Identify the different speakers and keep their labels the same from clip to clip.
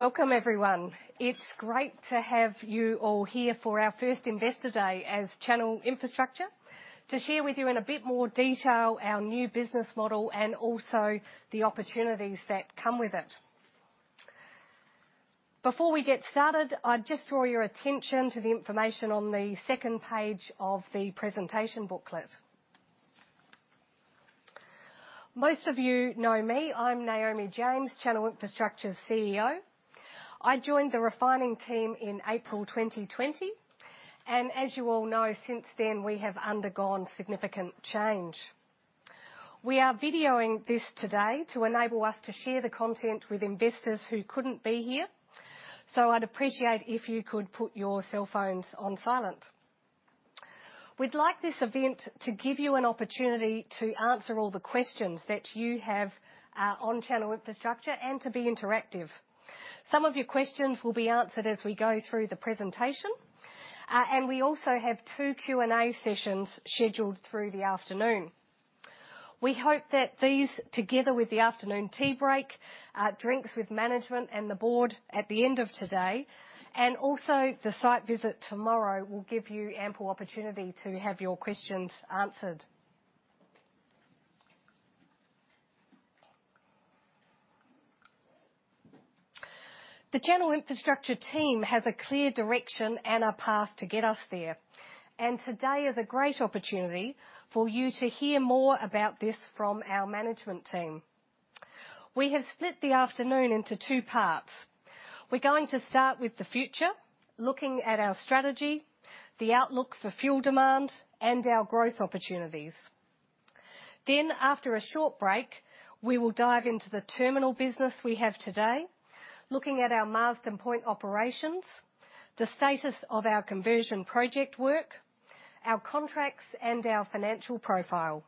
Speaker 1: Welcome, everyone. It's great to have you all here for our first Investor Day as Channel Infrastructure to share with you in a bit more detail our new business model and also the opportunities that come with it. Before we get started, I'd just draw your attention to the information on the second page of the presentation booklet. Most of you know me. I'm Naomi James, Channel Infrastructure's CEO. I joined the Refining team in April 2020, and as you all know, since then, we have undergone significant change. We are videoing this today to enable us to share the content with investors who couldn't be here. I'd appreciate if you could put your cell phones on silent. We'd like this event to give you an opportunity to answer all the questions that you have on Channel Infrastructure and to be interactive. Some of your questions will be answered as we go through the presentation, and we also have two Q&A sessions scheduled through the afternoon. We hope that these, together with the afternoon tea break, drinks with management and the board at the end of today, and also the site visit tomorrow, will give you ample opportunity to have your questions answered. The Channel Infrastructure team has a clear direction and a path to get us there, and today is a great opportunity for you to hear more about this from our management team. We have split the afternoon into two parts. We're going to start with the future, looking at our strategy, the outlook for fuel demand, and our growth opportunities. After a short break, we will dive into the terminal business we have today, looking at our Marsden Point operations, the status of our conversion project work, our contracts, and our financial profile.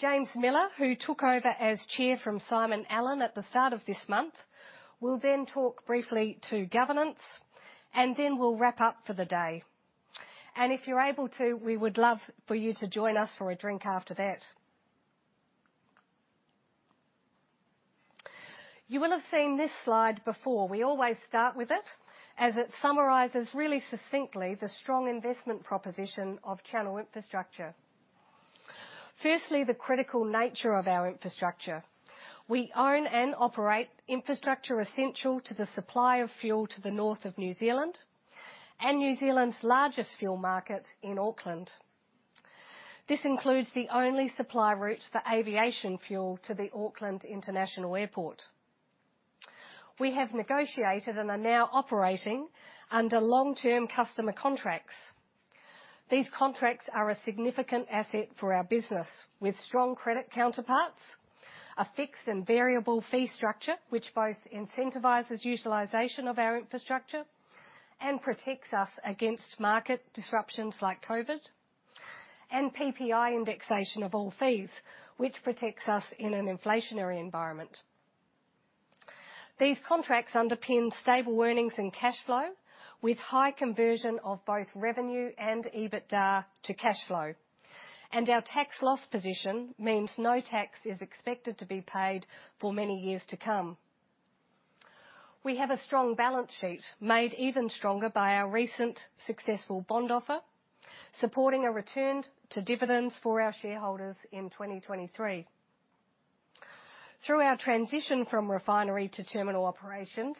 Speaker 1: James Miller, who took over as Chair from Simon Allen at the start of this month, will then talk briefly to governance, and then we'll wrap up for the day. If you're able to, we would love for you to join us for a drink after that. You will have seen this slide before. We always start with it, as it summarizes really succinctly the strong investment proposition of Channel Infrastructure. Firstly, the critical nature of our infrastructure. We own and operate infrastructure essential to the supply of fuel to the north of New Zealand and New Zealand's largest fuel market in Auckland. This includes the only supply route for aviation fuel to the Auckland International Airport. We have negotiated and are now operating under long-term customer contracts. These contracts are a significant asset for our business, with strong credit counterparts, a fixed and variable fee structure, which both incentivizes utilization of our infrastructure and protects us against market disruptions like COVID, and PPI indexation of all fees, which protects us in an inflationary environment. These contracts underpin stable earnings and cash flow with high conversion of both revenue and EBITDA to cash flow. Our tax loss position means no tax is expected to be paid for many years to come. We have a strong balance sheet, made even stronger by our recent successful bond offer, supporting a return to dividends for our shareholders in 2023. Through our transition from refinery to terminal operations,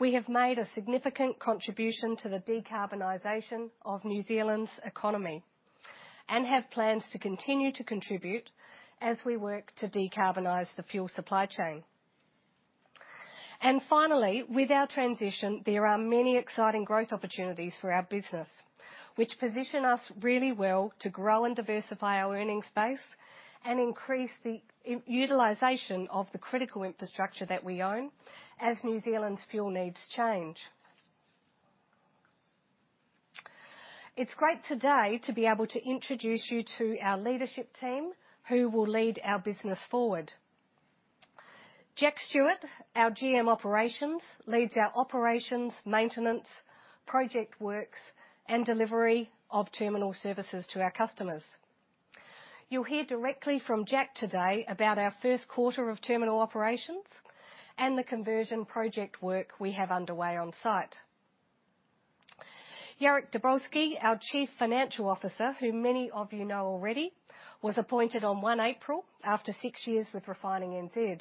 Speaker 1: we have made a significant contribution to the decarbonization of New Zealand's economy and have plans to continue to contribute as we work to decarbonize the fuel supply chain. Finally, with our transition, there are many exciting growth opportunities for our business, which position us really well to grow and diversify our earnings base and increase the utilization of the critical infrastructure that we own as New Zealand's fuel needs change. It's great today to be able to introduce you to our leadership team, who will lead our business forward. Jack Stewart, our GM Operations, leads our operations, maintenance, project works, and delivery of terminal services to our customers. You'll hear directly from Jack today about our first quarter of terminal operations and the conversion project work we have underway on-site. Jarek Dobrowolski, our Chief Financial Officer, who many of you know already, was appointed on 1 April after six years with Refining NZ.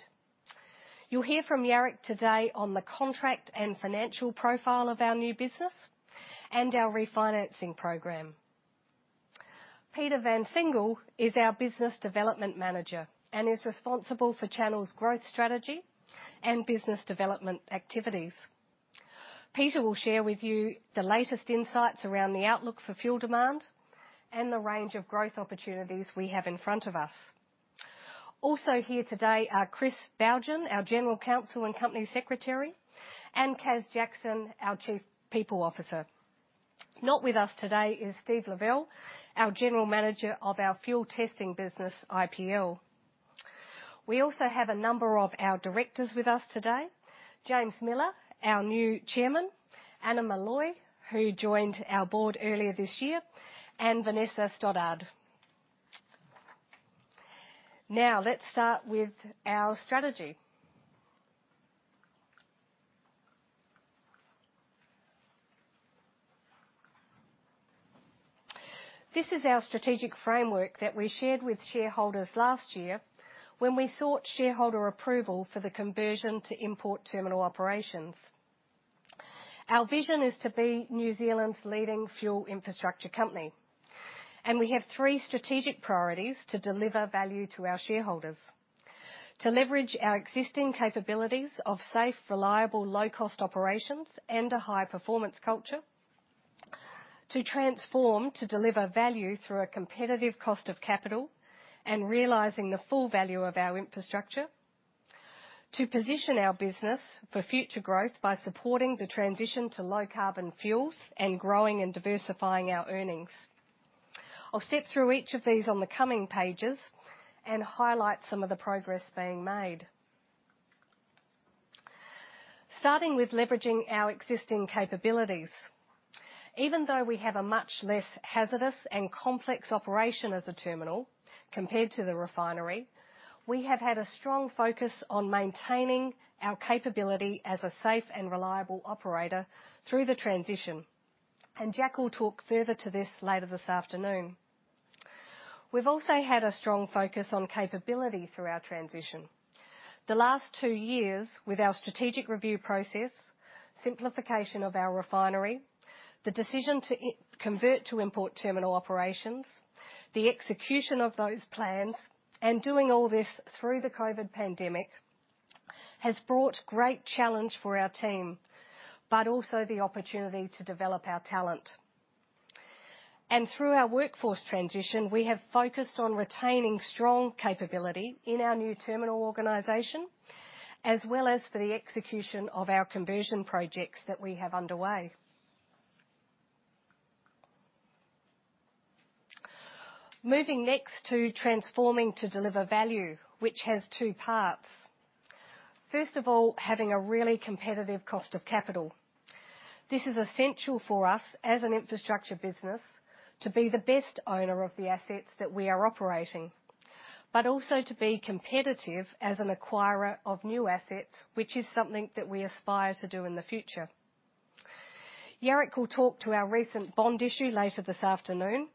Speaker 1: You'll hear from Jarek today on the contract and financial profile of our new business and our refinancing program. Peter van Cingel is our Business Development Manager and is responsible for Channel's growth strategy and business development activities. Peter will share with you the latest insights around the outlook for fuel demand and the range of growth opportunities we have in front of us. Also here today are Chris Bougen, our General Counsel and Company Secretary, and Caz Jackson, our Chief People Officer. Not with us today is Steve Levell, our General Manager of our fuel testing business, IPL. We also have a number of our directors with us today, James Miller, our new chairman, Anna Molloy, who joined our board earlier this year, and Vanessa Stoddart. Now, let's start with our strategy. This is our strategic framework that we shared with shareholders last year when we sought shareholder approval for the conversion to import terminal operations. Our vision is to be New Zealand's leading fuel infrastructure company. We have three strategic priorities to deliver value to our shareholders. To leverage our existing capabilities of safe, reliable, low cost operations and a high-performance culture. To transform, to deliver value through a competitive cost of capital, and realizing the full value of our infrastructure. To position our business for future growth by supporting the transition to low carbon fuels and growing and diversifying our earnings. I'll step through each of these on the coming pages and highlight some of the progress being made. Starting with leveraging our existing capabilities. Even though we have a much less hazardous and complex operation as a terminal compared to the refinery, we have had a strong focus on maintaining our capability as a safe and reliable operator through the transition, and Jack will talk further to this later this afternoon. We've also had a strong focus on capability through our transition. The last two years with our strategic review process, simplification of our refinery, the decision to convert to import terminal operations, the execution of those plans, and doing all this through the COVID pandemic, has brought great challenge for our team, but also the opportunity to develop our talent. Through our workforce transition, we have focused on retaining strong capability in our new terminal organization, as well as for the execution of our conversion projects that we have underway. Moving next to transforming to deliver value, which has two parts. First of all, having a really competitive cost of capital. This is essential for us as an infrastructure business to be the best owner of the assets that we are operating. Also to be competitive as an acquirer of new assets, which is something that we aspire to do in the future. Jarek will talk to our recent bond issue later this afternoon,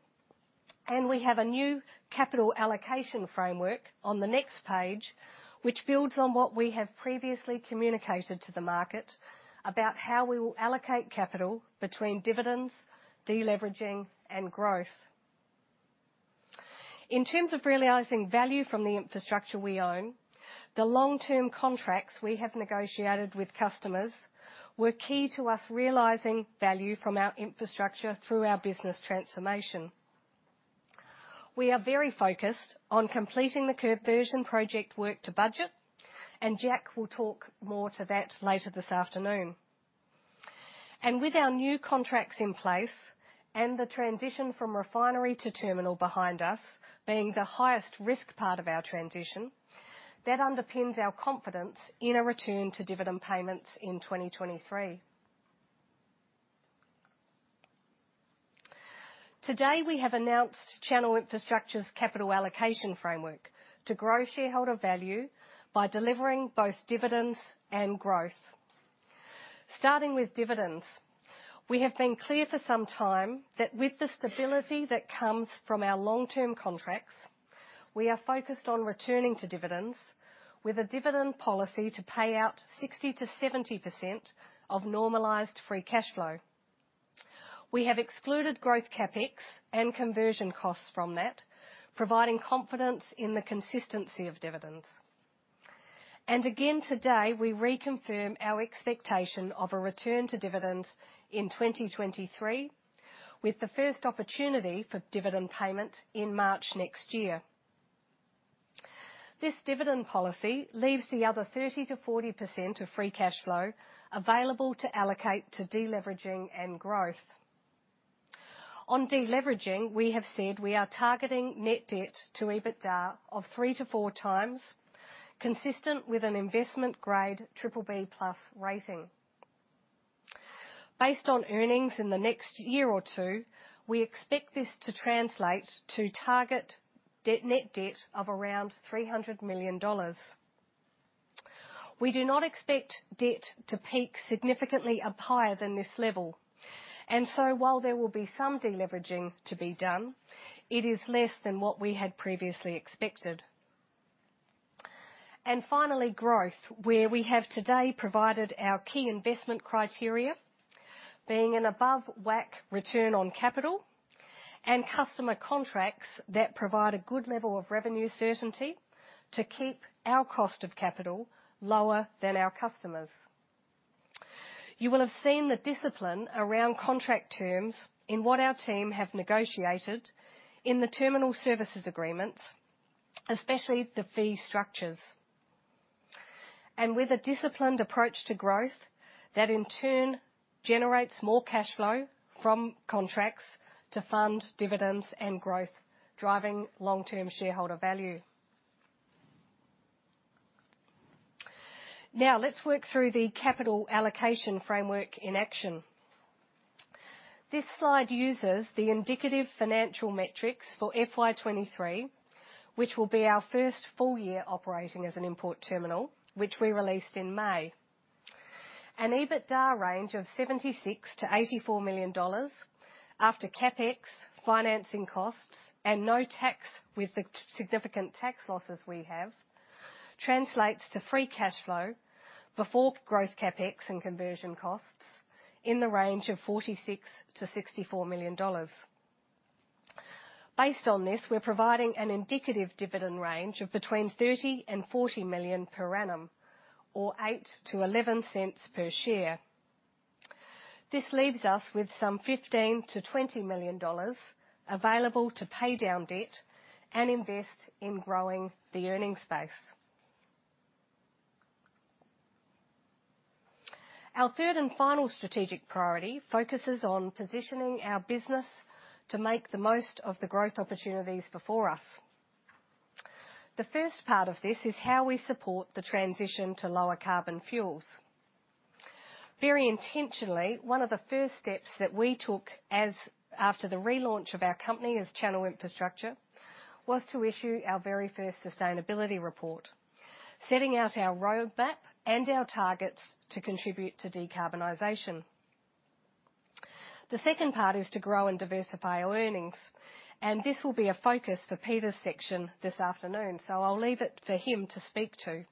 Speaker 1: and we have a new capital allocation framework on the next page, which builds on what we have previously communicated to the market about how we will allocate capital between dividends, deleveraging, and growth. In terms of realizing value from the infrastructure we own, the long-term contracts we have negotiated with customers were key to us realizing value from our infrastructure through our business transformation. We are very focused on completing the conversion project work to budget, and Jack will talk more to that later this afternoon. With our new contracts in place and the transition from refinery to terminal behind us being the highest risk part of our transition, that underpins our confidence in a return to dividend payments in 2023. Today, we have announced Channel Infrastructure's capital allocation framework to grow shareholder value by delivering both dividends and growth. Starting with dividends, we have been clear for some time that with the stability that comes from our long-term contracts, we are focused on returning to dividends with a dividend policy to pay out 60%-70% of normalized free cash flow. We have excluded growth CapEx and conversion costs from that, providing confidence in the consistency of dividends. Again, today, we reconfirm our expectation of a return to dividends in 2023, with the first opportunity for dividend payment in March next year. This dividend policy leaves the other 30%-40% of free cash flow available to allocate to deleveraging and growth. On deleveraging, we have said we are targeting net debt to EBITDA of 3x-4x, consistent with an investment-grade BBB+ rating. Based on earnings in the next year or two, we expect this to translate to target net debt of around 300 million dollars. We do not expect debt to peak significantly up higher than this level. Finally, growth, where we have today provided our key investment criteria, being an above WACC return on capital and customer contracts that provide a good level of revenue certainty to keep our cost of capital lower than our customers. You will have seen the discipline around contract terms in what our team have negotiated in the terminal services agreements, especially the fee structures. With a disciplined approach to growth, that in turn generates more cash flow from contracts to fund dividends and growth, driving long-term shareholder value. Now, let's work through the capital allocation framework in action. This slide uses the indicative financial metrics for FY 2023, which will be our first full year operating as an import terminal, which we released in May. An EBITDA range of NZD 76 million-NZD 84 million after CapEx, financing costs, and no tax with the significant tax losses we have, translates to free cash flow before growth CapEx and conversion costs in the range of 46 million-64 million dollars. Based on this, we're providing an indicative dividend range of between 30 million and 40 million per annum, or 0.08-0.11 per share. This leaves us with some 15 million-20 million dollars available to pay down debt and invest in growing the earnings base. Our third and final strategic priority focuses on positioning our business to make the most of the growth opportunities before us. The first part of this is how we support the transition to lower carbon fuels. Very intentionally, one of the first steps that we took after the relaunch of our company as Channel Infrastructure was to issue our very first sustainability report, setting out our roadmap and our targets to contribute to decarbonization. The second part is to grow and diversify our earnings, and this will be a focus for Peter's section this afternoon, so I'll leave it for him to speak to.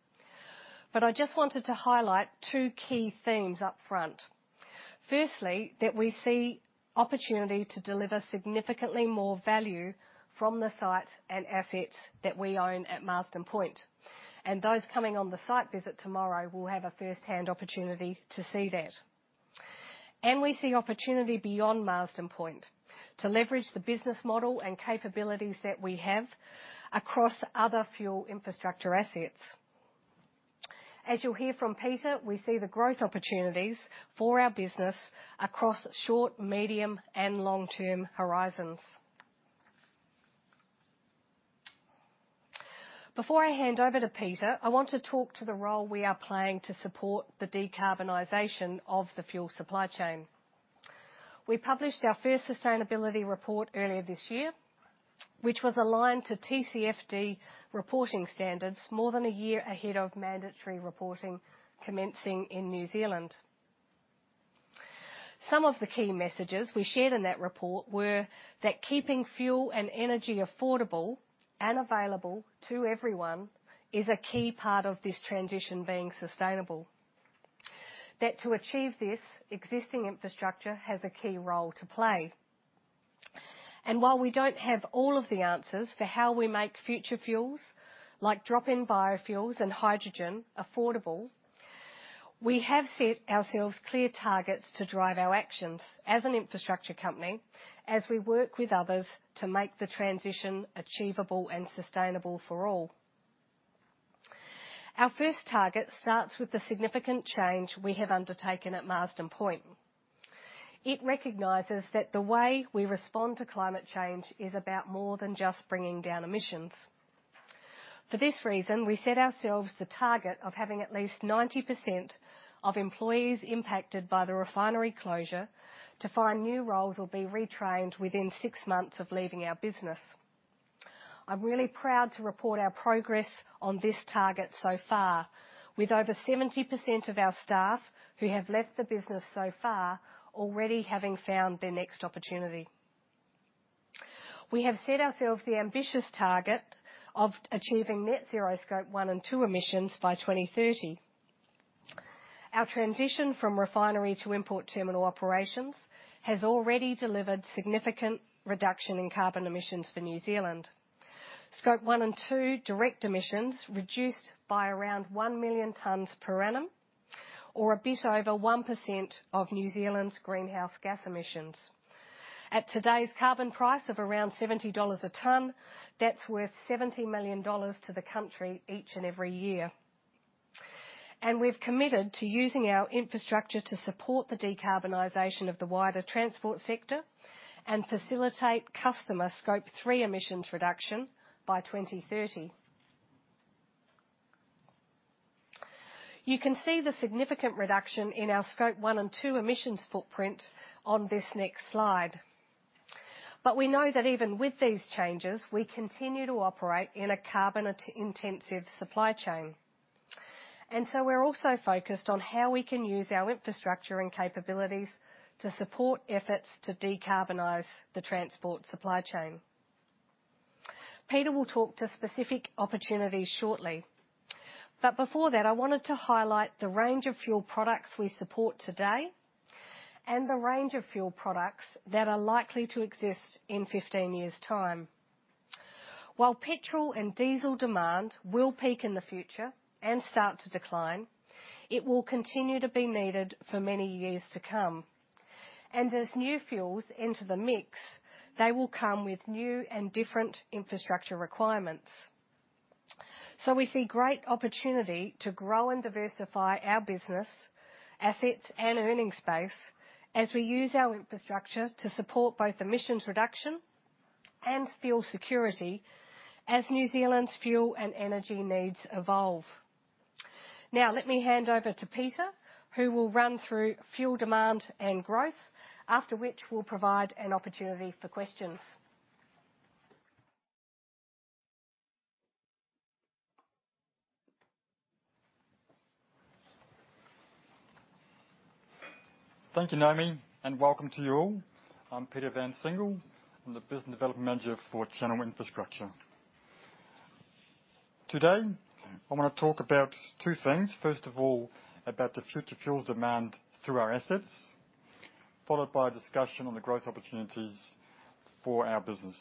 Speaker 1: I just wanted to highlight two key themes up front. Firstly, that we see opportunity to deliver significantly more value from the site and assets that we own at Marsden Point, and those coming on the site visit tomorrow will have a firsthand opportunity to see that. We see opportunity beyond Marsden Point to leverage the business model and capabilities that we have across other fuel infrastructure assets. As you'll hear from Peter, we see the growth opportunities for our business across short, medium, and long-term horizons. Before I hand over to Peter, I want to talk to the role we are playing to support the decarbonization of the fuel supply chain. We published our first sustainability report earlier this year, which was aligned to TCFD reporting standards more than a year ahead of mandatory reporting commencing in New Zealand. Some of the key messages we shared in that report were that keeping fuel and energy affordable and available to everyone is a key part of this transition being sustainable. That to achieve this, existing infrastructure has a key role to play. While we don't have all of the answers for how we make future fuels, like drop-in biofuels and hydrogen affordable, we have set ourselves clear targets to drive our actions as an infrastructure company, as we work with others to make the transition achievable and sustainable for all. Our first target starts with the significant change we have undertaken at Marsden Point. It recognizes that the way we respond to climate change is about more than just bringing down emissions. For this reason, we set ourselves the target of having at least 90% of employees impacted by the refinery closure to find new roles or be retrained within six months of leaving our business. I'm really proud to report our progress on this target so far, with over 70% of our staff, who have left the business so far, already having found their next opportunity. We have set ourselves the ambitious target of achieving net zero Scope 1 and 2 emissions by 2030. Our transition from refinery to import terminal operations has already delivered significant reduction in carbon emissions for New Zealand. Scope 1 and 2 direct emissions reduced by around one million tons per annum, or a bit over 1% of New Zealand's greenhouse gas emissions. At today's carbon price of around 70 dollars a ton, that's worth 70 million dollars to the country each and every year. We've committed to using our infrastructure to support the decarbonization of the wider transport sector and facilitate customer Scope 3 emissions reduction by 2030. You can see the significant reduction in our Scope 1 and 2 emissions footprint on this next slide. We know that even with these changes, we continue to operate in a carbon-intensive supply chain. We're also focused on how we can use our infrastructure and capabilities to support efforts to decarbonize the transport supply chain. Peter will talk to specific opportunities shortly. Before that, I wanted to highlight the range of fuel products we support today and the range of fuel products that are likely to exist in 15 years' time. While petrol and diesel demand will peak in the future and start to decline, it will continue to be needed for many years to come. As new fuels enter the mix, they will come with new and different infrastructure requirements. We see great opportunity to grow and diversify our business, assets, and earnings base as we use our infrastructure to support both emissions reduction and fuel security as New Zealand's fuel and energy needs evolve. Now, let me hand over to Peter, who will run through fuel demand and growth, after which we'll provide an opportunity for questions.
Speaker 2: Thank you, Naomi, and welcome to you all. I'm Peter van Cingel. I'm the Business Development Manager for Channel Infrastructure. Today, I wanna talk about two things. First of all, about the future fuels demand through our assets, followed by a discussion on the growth opportunities for our business.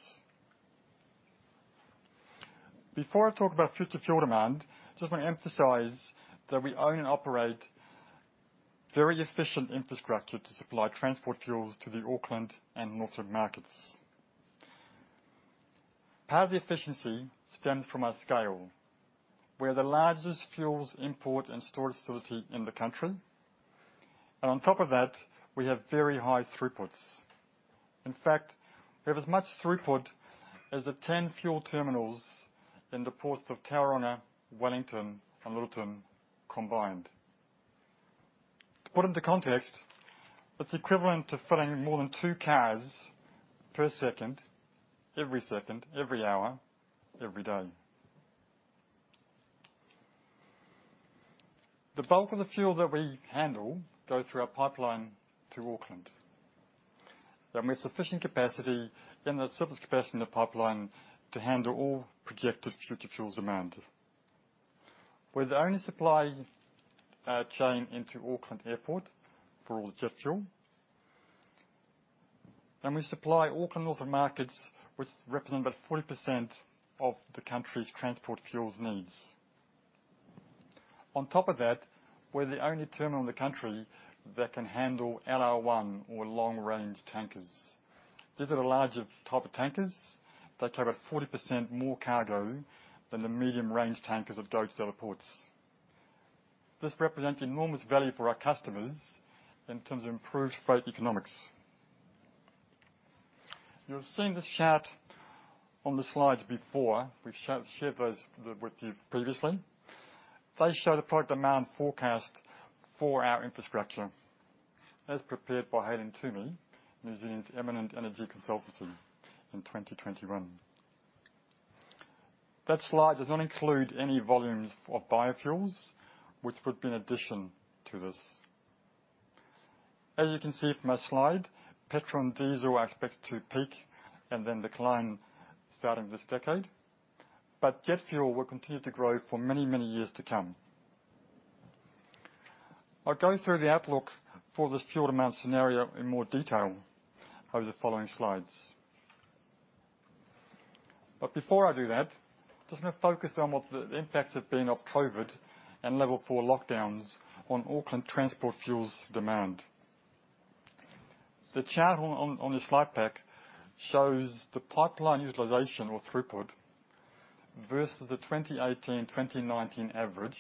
Speaker 2: Before I talk about future fuel demand, just wanna emphasize that we own and operate very efficient infrastructure to supply transport fuels to the Auckland and Northland markets. Part of the efficiency stems from our scale. We're the largest fuels import and storage facility in the country. On top of that, we have very high throughputs. In fact, we have as much throughput as the 10 fuel terminals in the ports of Tauranga, Wellington, and Lyttelton combined. To put into context, it's equivalent to filling more than two cars per second, every second, every hour, every day. The bulk of the fuel that we handle go through our pipeline to Auckland, and we have sufficient capacity in the service capacity in the pipeline to handle all projected future fuels demand. We're the only supply chain into Auckland Airport for all jet fuel. We supply Auckland Northland markets, which represent about 40% of the country's transport fuels needs. On top of that, we're the only terminal in the country that can handle LR1 or long-range tankers. These are the larger type of tankers that carry about 40% more cargo than the medium-range tankers at other ports. This represents enormous value for our customers in terms of improved freight economics. You've seen this chart on the slides before. We've shared those with you previously. They show the product demand forecast for our infrastructure as prepared by Hale & Twomey, New Zealand's eminent energy consultancy in 2021. That slide does not include any volumes for biofuels, which would be in addition to this. As you can see from my slide, petrol and diesel are expected to peak and then decline starting this decade. Jet fuel will continue to grow for many, many years to come. I'll go through the outlook for this fuel demand scenario in more detail over the following slides. Before I do that, just wanna focus on what the impacts have been of COVID and level four lockdowns on Auckland transport fuels demand. The chart on the slide pack shows the pipeline utilization or throughput versus the 2018, 2019 average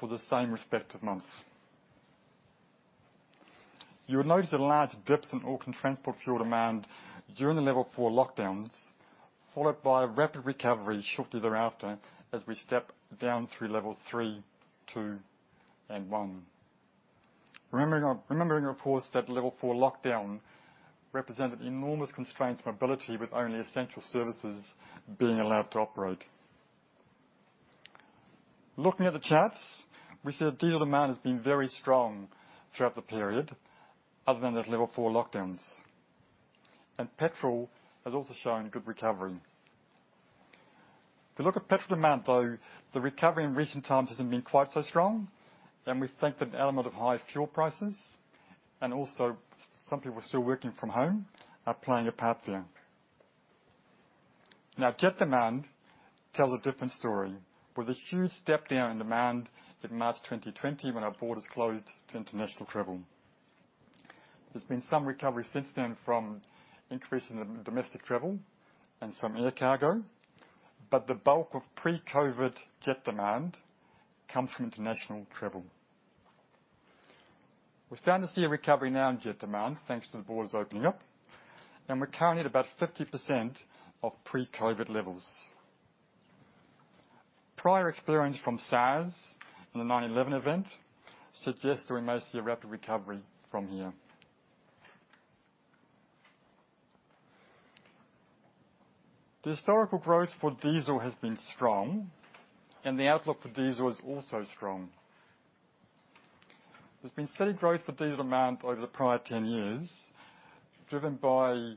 Speaker 2: for the same respective month. You will notice the large dips in Auckland transport fuel demand during the level four lockdowns, followed by a rapid recovery shortly thereafter as we step down through level three, two, and one. Remembering, of course, that level four lockdown represented enormous constraints for mobility, with only essential services being allowed to operate. Looking at the charts, we see that diesel demand has been very strong throughout the period, other than those level four lockdowns. Petrol has also shown good recovery. If you look at petrol demand though, the recovery in recent times hasn't been quite so strong, and we think that an element of high fuel prices, and also some people are still working from home, are playing a part there. Now, jet demand tells a different story. With a huge step down in demand in March 2020 when our borders closed to international travel. There's been some recovery since then from increase in the domestic travel and some air cargo, but the bulk of pre-COVID jet demand comes from international travel. We're starting to see a recovery now in jet demand, thanks to the borders opening up, and we're currently at about 50% of pre-COVID levels. Prior experience from SARS and the 9/11 event suggests we may see a rapid recovery from here. The historical growth for diesel has been strong, and the outlook for diesel is also strong. There's been steady growth for diesel demand over the prior 10 years, driven by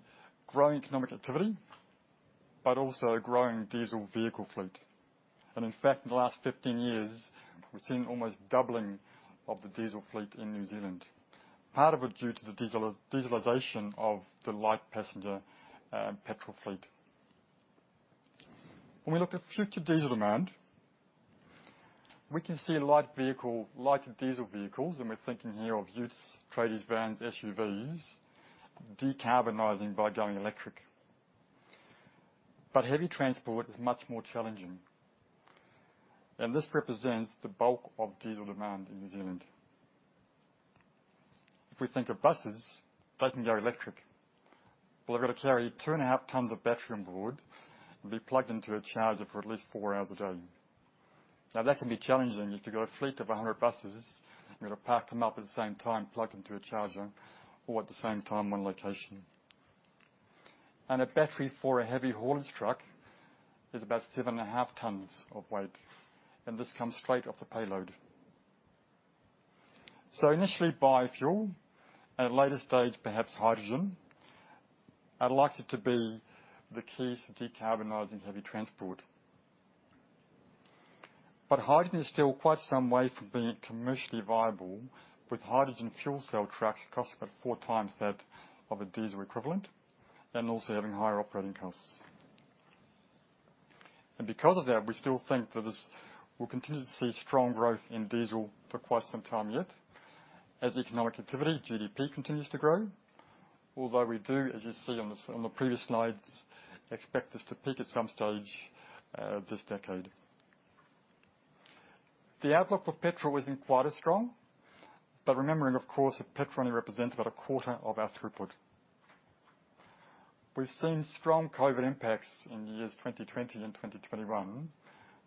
Speaker 2: growing economic activity, but also a growing diesel vehicle fleet. In fact, in the last 15 years, we've seen almost doubling of the diesel fleet in New Zealand. Part of it due to the dieselization of the light passenger, petrol fleet. When we look at future diesel demand, we can see lighter diesel vehicles, and we're thinking here of utes, tradies vans, SUVs, decarbonizing by going electric. Heavy transport is much more challenging. This represents the bulk of diesel demand in New Zealand. If we think of buses, they can go electric. Well, they've got to carry 2.5 tons of battery on board and be plugged into a charger for at least four hours a day. Now, that can be challenging. If you've got a fleet of 100 buses, you've got to park them up at the same time, plugged into a charger, all at the same time, one location. A battery for a heavy haulage truck is about 7.5 tons of weight, and this comes straight off the payload. Initially, biofuel, at a later stage, perhaps hydrogen, are likely to be the keys to decarbonizing heavy transport. Hydrogen is still quite some way from being commercially viable, with hydrogen fuel cell trucks costing about four times that of a diesel equivalent and also having higher operating costs. Because of that, we still think that this will continue to see strong growth in diesel for quite some time yet as economic activity, GDP continues to grow. Although we do, as you see on the previous slides, expect this to peak at some stage, this decade. The outlook for petrol isn't quite as strong, but remembering, of course, that petrol only represents about a quarter of our throughput. We've seen strong COVID impacts in the years 2020 and 2021,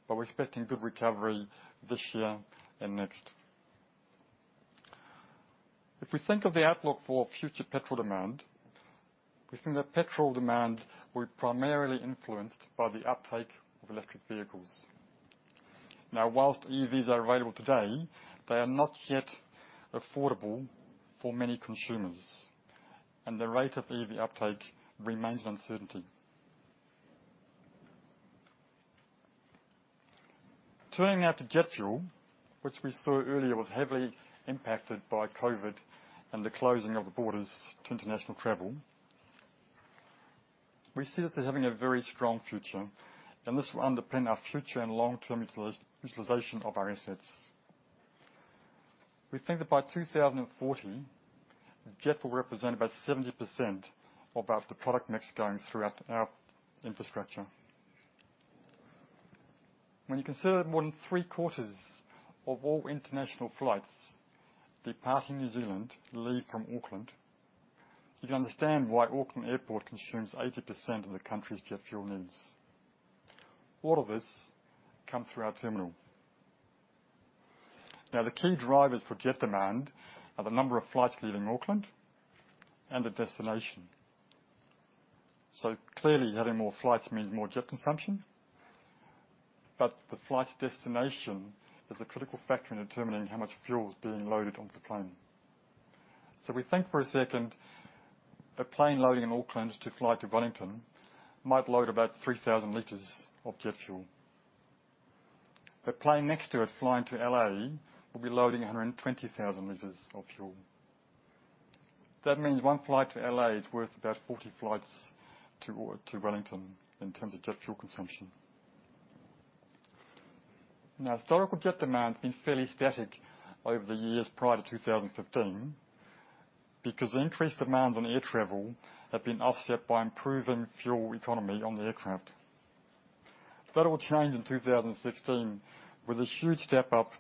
Speaker 2: but we're expecting good recovery this year and next. If we think of the outlook for future petrol demand, we think that petrol demand will be primarily influenced by the uptake of electric vehicles. Now, while EVs are available today, they are not yet affordable for many consumers, and the rate of EV uptake remains an uncertainty. Turning now to jet fuel, which we saw earlier was heavily impacted by COVID and the closing of the borders to international travel. We see this as having a very strong future, and this will underpin our future and long-term utilization of our assets. We think that by 2040, jet will represent about 70% of our, the product mix going throughout our infrastructure. When you consider more than three-quarters of all international flights departing New Zealand leave from Auckland, you can understand why Auckland Airport consumes 80% of the country's jet fuel needs. All of this come through our terminal. Now, the key drivers for jet demand are the number of flights leaving Auckland and the destination. Clearly, having more flights means more jet consumption. The flight destination is a critical factor in determining how much fuel is being loaded onto the plane. We think for a second, a plane loading in Auckland to fly to Wellington might load about 3,000 L of jet fuel. The plane next to it, flying to LA, will be loading 120,000 L of fuel. That means one flight to LA is worth about 40 flights to Wellington in terms of jet fuel consumption. Now, historical jet demand has been fairly static over the years prior to 2015 because the increased demands on air travel have been offset by improving fuel economy on the aircraft. That all changed in 2016 with a huge step up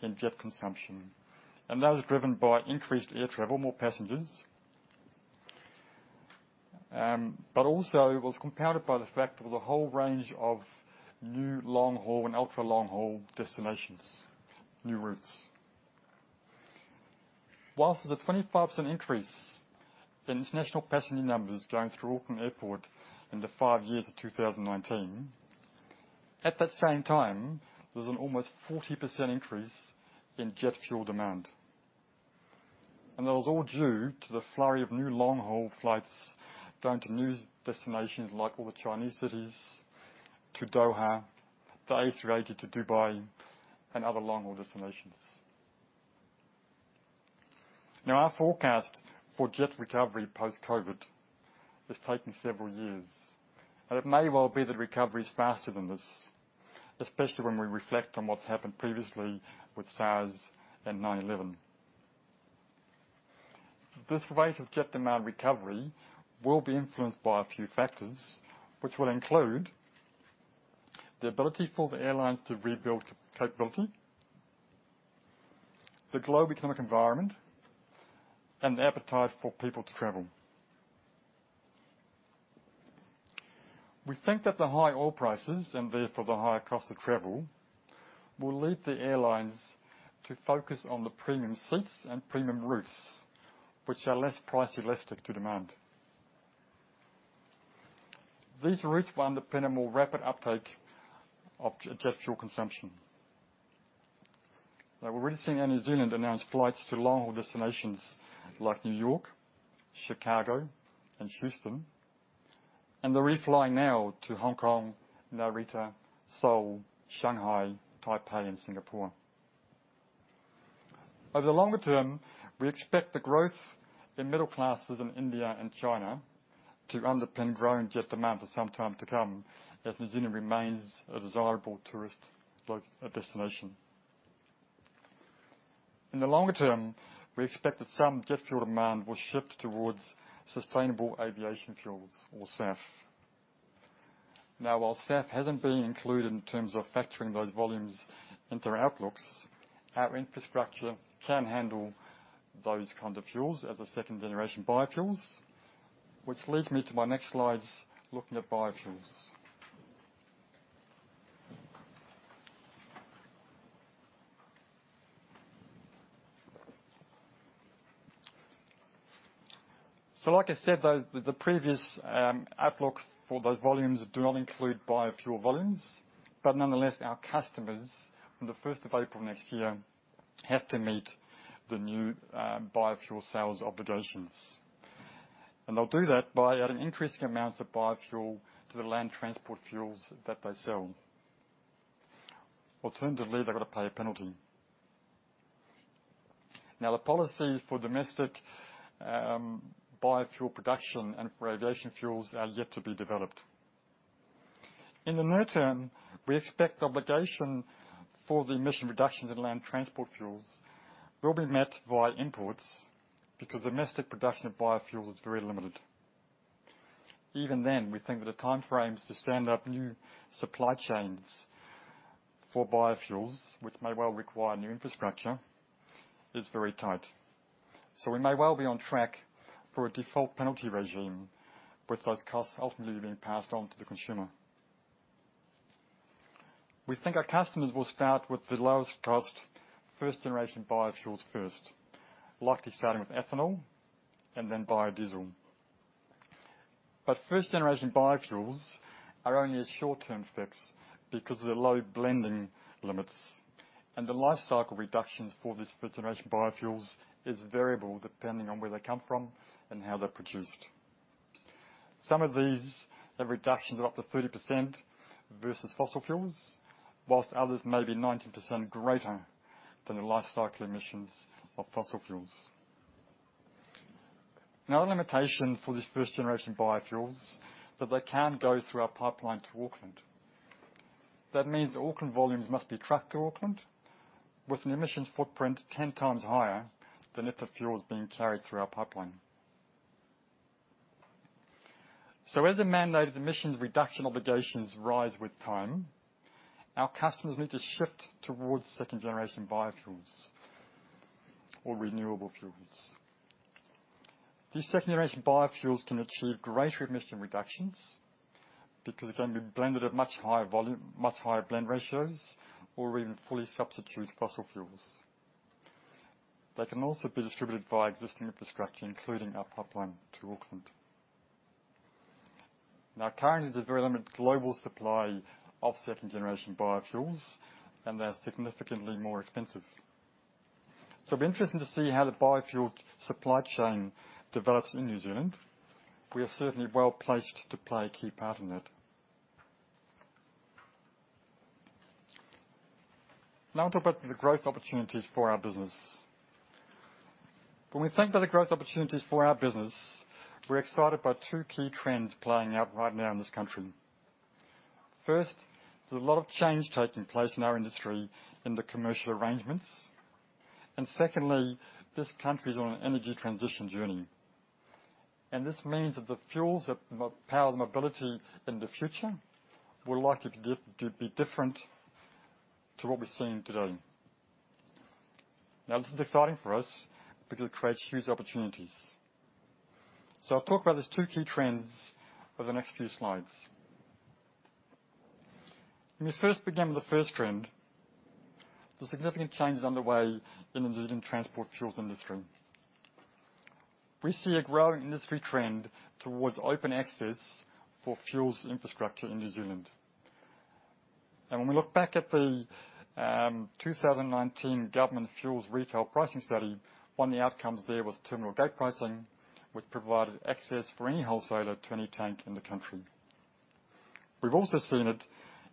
Speaker 2: in jet consumption, and that is driven by increased air travel, more passengers. But also it was compounded by the fact there was a whole range of new long-haul and ultra-long-haul destinations, new routes. While there's a 25% increase in international passenger numbers going through Auckland Airport in the five years to 2019, at that same time, there was an almost 40% increase in jet fuel demand. That was all due to the flurry of new long-haul flights going to new destinations, like all the Chinese cities, to Doha, the A380 to Dubai, and other long-haul destinations. Our forecast for jet recovery post-COVID is taking several years, and it may well be that recovery is faster than this, especially when we reflect on what's happened previously with SARS and 9/11. This rate of jet demand recovery will be influenced by a few factors, which will include the ability for the airlines to rebuild capability, the global economic environment, and the appetite for people to travel. We think that the high oil prices, and therefore the higher cost of travel, will lead the airlines to focus on the premium seats and premium routes, which are less price elastic to demand. These routes will underpin a more rapid uptake of jet fuel consumption. We're already seeing Air New Zealand announce flights to long-haul destinations like New York, Chicago, and Houston, and they're re-flying now to Hong Kong, Narita, Seoul, Shanghai, Taipei, and Singapore. Over the longer-term, we expect the growth in middle classes in India and China to underpin growing jet demand for some time to come, as New Zealand remains a desirable tourist destination. In the longer-term, we expect that some jet fuel demand will shift towards sustainable aviation fuels or SAF. Now, while SAF hasn't been included in terms of factoring those volumes into our outlooks, our infrastructure can handle those kind of fuels as a second-generation biofuels, which leads me to my next slides looking at biofuels. Like I said, though, the previous outlooks for those volumes do not include biofuel volumes. Nonetheless, our customers, on the 1st of April next year, have to meet the new biofuel sales obligations. They'll do that by adding increasing amounts of biofuel to the land transport fuels that they sell. Alternatively, they've got to pay a penalty. Now, the policy for domestic biofuel production and for aviation fuels are yet to be developed. In the near term, we expect the obligation for the emission reductions in land transport fuels will be met via imports because domestic production of biofuels is very limited. Even then, we think that the time frames to stand up new supply chains for biofuels, which may well require new infrastructure, is very tight. We may well be on track for a default penalty regime, with those costs ultimately being passed on to the consumer. We think our customers will start with the lowest cost first-generation biofuels first, likely starting with ethanol and then biodiesel. First-generation biofuels are only a short-term fix because of their low blending limits. The lifecycle reductions for these first-generation biofuels is variable depending on where they come from and how they're produced. Some of these have reductions of up to 30% versus fossil fuels, while others may be 19% greater than the lifecycle emissions of fossil fuels. Another limitation for these first-generation biofuels, that they can't go through our pipeline to Auckland. That means Auckland volumes must be trucked to Auckland with an emissions footprint 10 times higher than if the fuel was being carried through our pipeline. As the mandated emissions reduction obligations rise with time, our customers need to shift towards second-generation biofuels or renewable fuels. These second-generation biofuels can achieve greater emission reductions because they can be blended at much higher blend ratios or even fully substitute fossil fuels. They can also be distributed via existing infrastructure, including our pipeline to Auckland. Now, currently, there's very limited global supply of second-generation biofuels, and they're significantly more expensive. It'll be interesting to see how the biofuel supply chain develops in New Zealand. We are certainly well-placed to play a key part in it. Now I'll talk about the growth opportunities for our business. When we think about the growth opportunities for our business, we're excited by two key trends playing out right now in this country. First, there's a lot of change taking place in our industry in the commercial arrangements. Secondly, this country's on an energy transition journey. This means that the fuels that power the mobility in the future will likely to be different to what we're seeing today. Now, this is exciting for us because it creates huge opportunities. I'll talk about these two key trends over the next few slides. Let me first begin with the first trend. There's significant changes underway in the New Zealand transport fuels industry. We see a growing industry trend towards open access for fuels infrastructure in New Zealand. When we look back at the 2019 government fuels retail pricing study, one of the outcomes there was terminal gate pricing, which provided access for any wholesaler to any tank in the country. We've also seen it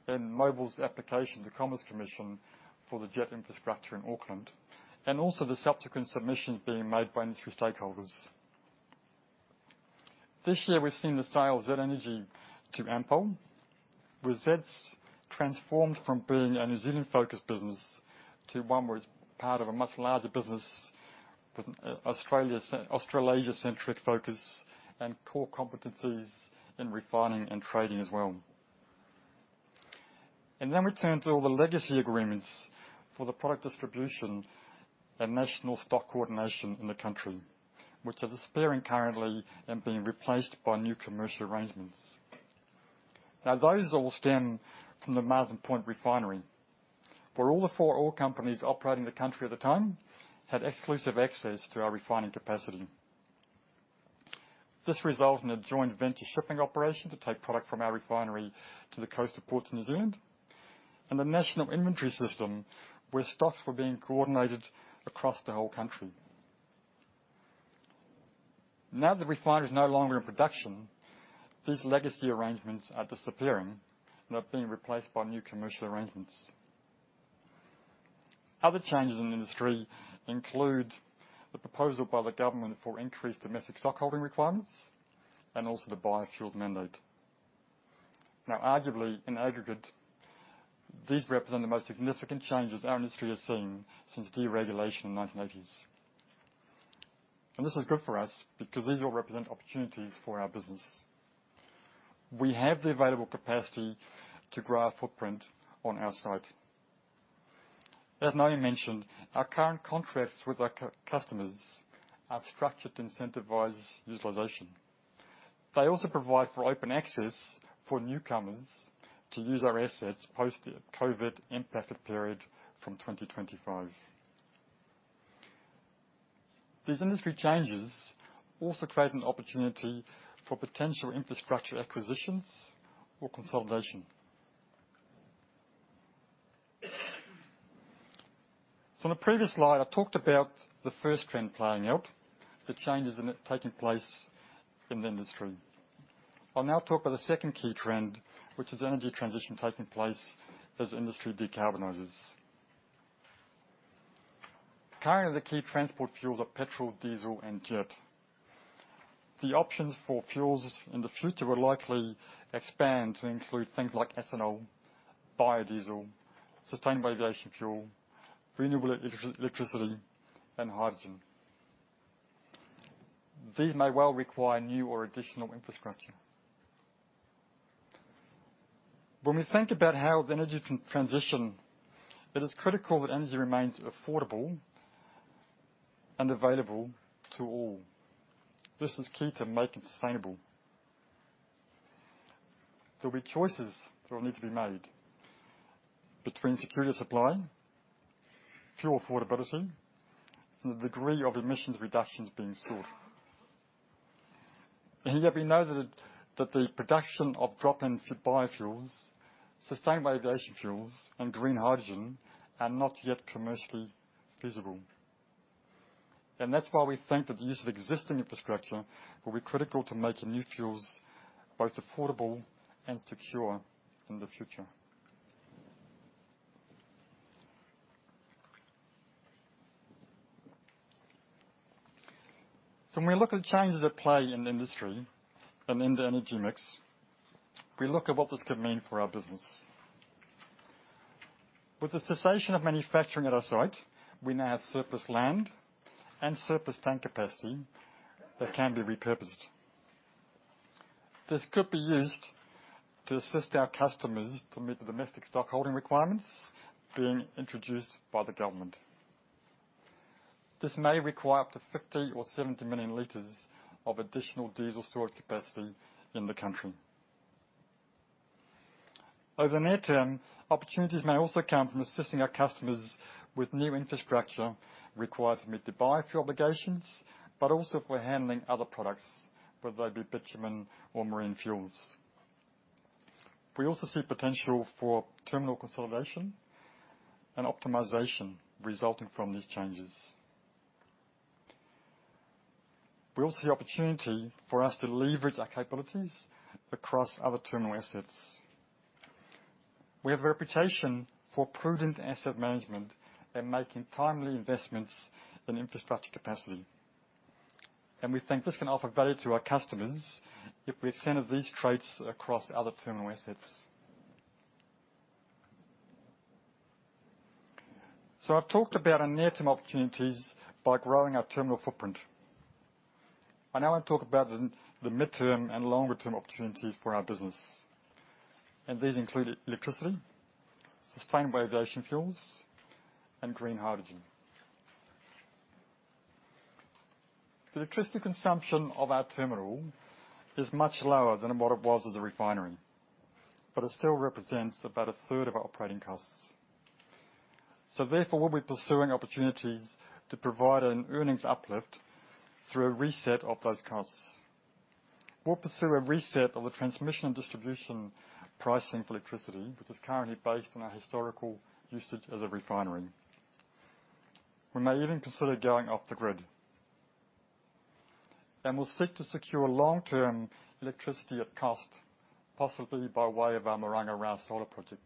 Speaker 2: in Mobil's application to the Commerce Commission for the jet infrastructure in Auckland, and also the subsequent submissions being made by industry stakeholders. This year, we've seen the sale of Z Energy to Ampol, with Z transformed from being a New Zealand-focused business to one where it's part of a much larger business with an Australasia-centric focus and core competencies in refining and trading as well. We turn to all the legacy agreements for the product distribution and national stock coordination in the country, which are disappearing currently and being replaced by new commercial arrangements. Now, those all stem from the Marsden Point Refinery, where all the four oil companies operating in the country at the time had exclusive access to our refining capacity. This resulted in a joint venture shipping operation to take product from our refinery to the coastal ports in New Zealand, and a national inventory system where stocks were being coordinated across the whole country. Now that the refinery is no longer in production, these legacy arrangements are disappearing and are being replaced by new commercial arrangements. Other changes in the industry include the proposal by the government for increased domestic stockholding requirements and also the biofuels mandate. Now, arguably, in aggregate, these represent the most significant changes our industry has seen since deregulation in the 1980s. This is good for us because these will represent opportunities for our business. We have the available capacity to grow our footprint on our site. As Naomi mentioned, our current contracts with our customers are structured to incentivize utilization. They also provide for open access for newcomers to use our assets post the COVID impacted period from 2025. These industry changes also create an opportunity for potential infrastructure acquisitions or consolidation. In the previous slide, I talked about the first trend playing out, the changes in it taking place in the industry. I'll now talk about the second key trend, which is energy transition taking place as industry decarbonizes. Currently, the key transport fuels are petrol, diesel and jet. The options for fuels in the future will likely expand to include things like ethanol, biodiesel, sustainable aviation fuel, renewable electricity and hydrogen. These may well require new or additional infrastructure. When we think about how the energy can transition, it is critical that energy remains affordable and available to all. This is key to make it sustainable. There'll be choices that will need to be made between security of supply, fuel affordability, and the degree of emissions reductions being sought. Here we know that the production of drop-in biofuels, sustainable aviation fuels and green hydrogen are not yet commercially feasible. That's why we think that the use of existing infrastructure will be critical to making new fuels both affordable and secure in the future. When we look at changes at play in the industry and in the energy mix, we look at what this could mean for our business. With the cessation of manufacturing at our site, we now have surplus land and surplus tank capacity that can be repurposed. This could be used to assist our customers to meet the domestic stock holding requirements being introduced by the government. This may require up to 50 million L or 70 million L of additional diesel storage capacity in the country. In the near term, opportunities may also come from assisting our customers with new infrastructure required to meet the biofuel obligations, but also for handling other products, whether they be bitumen or marine fuels. We also see potential for terminal consolidation and optimization resulting from these changes. We also see opportunity for us to leverage our capabilities across other terminal assets. We have a reputation for prudent asset management and making timely investments in infrastructure capacity. We think this can offer value to our customers if we extended these traits across other terminal assets. I've talked about our near-term opportunities by growing our terminal footprint. I now want to talk about the midterm and longer-term opportunities for our business. These include electricity, sustainable aviation fuels, and green hydrogen. The electricity consumption of our terminal is much lower than what it was as a refinery, but it still represents about a third of our operating costs. Therefore, we'll be pursuing opportunities to provide an earnings uplift through a reset of those costs. We'll pursue a reset of the transmission and distribution pricing for electricity, which is currently based on our historical usage as a refinery. We may even consider going off the grid. We'll seek to secure long-term electricity at cost, possibly by way of our Maranga Ra solar project.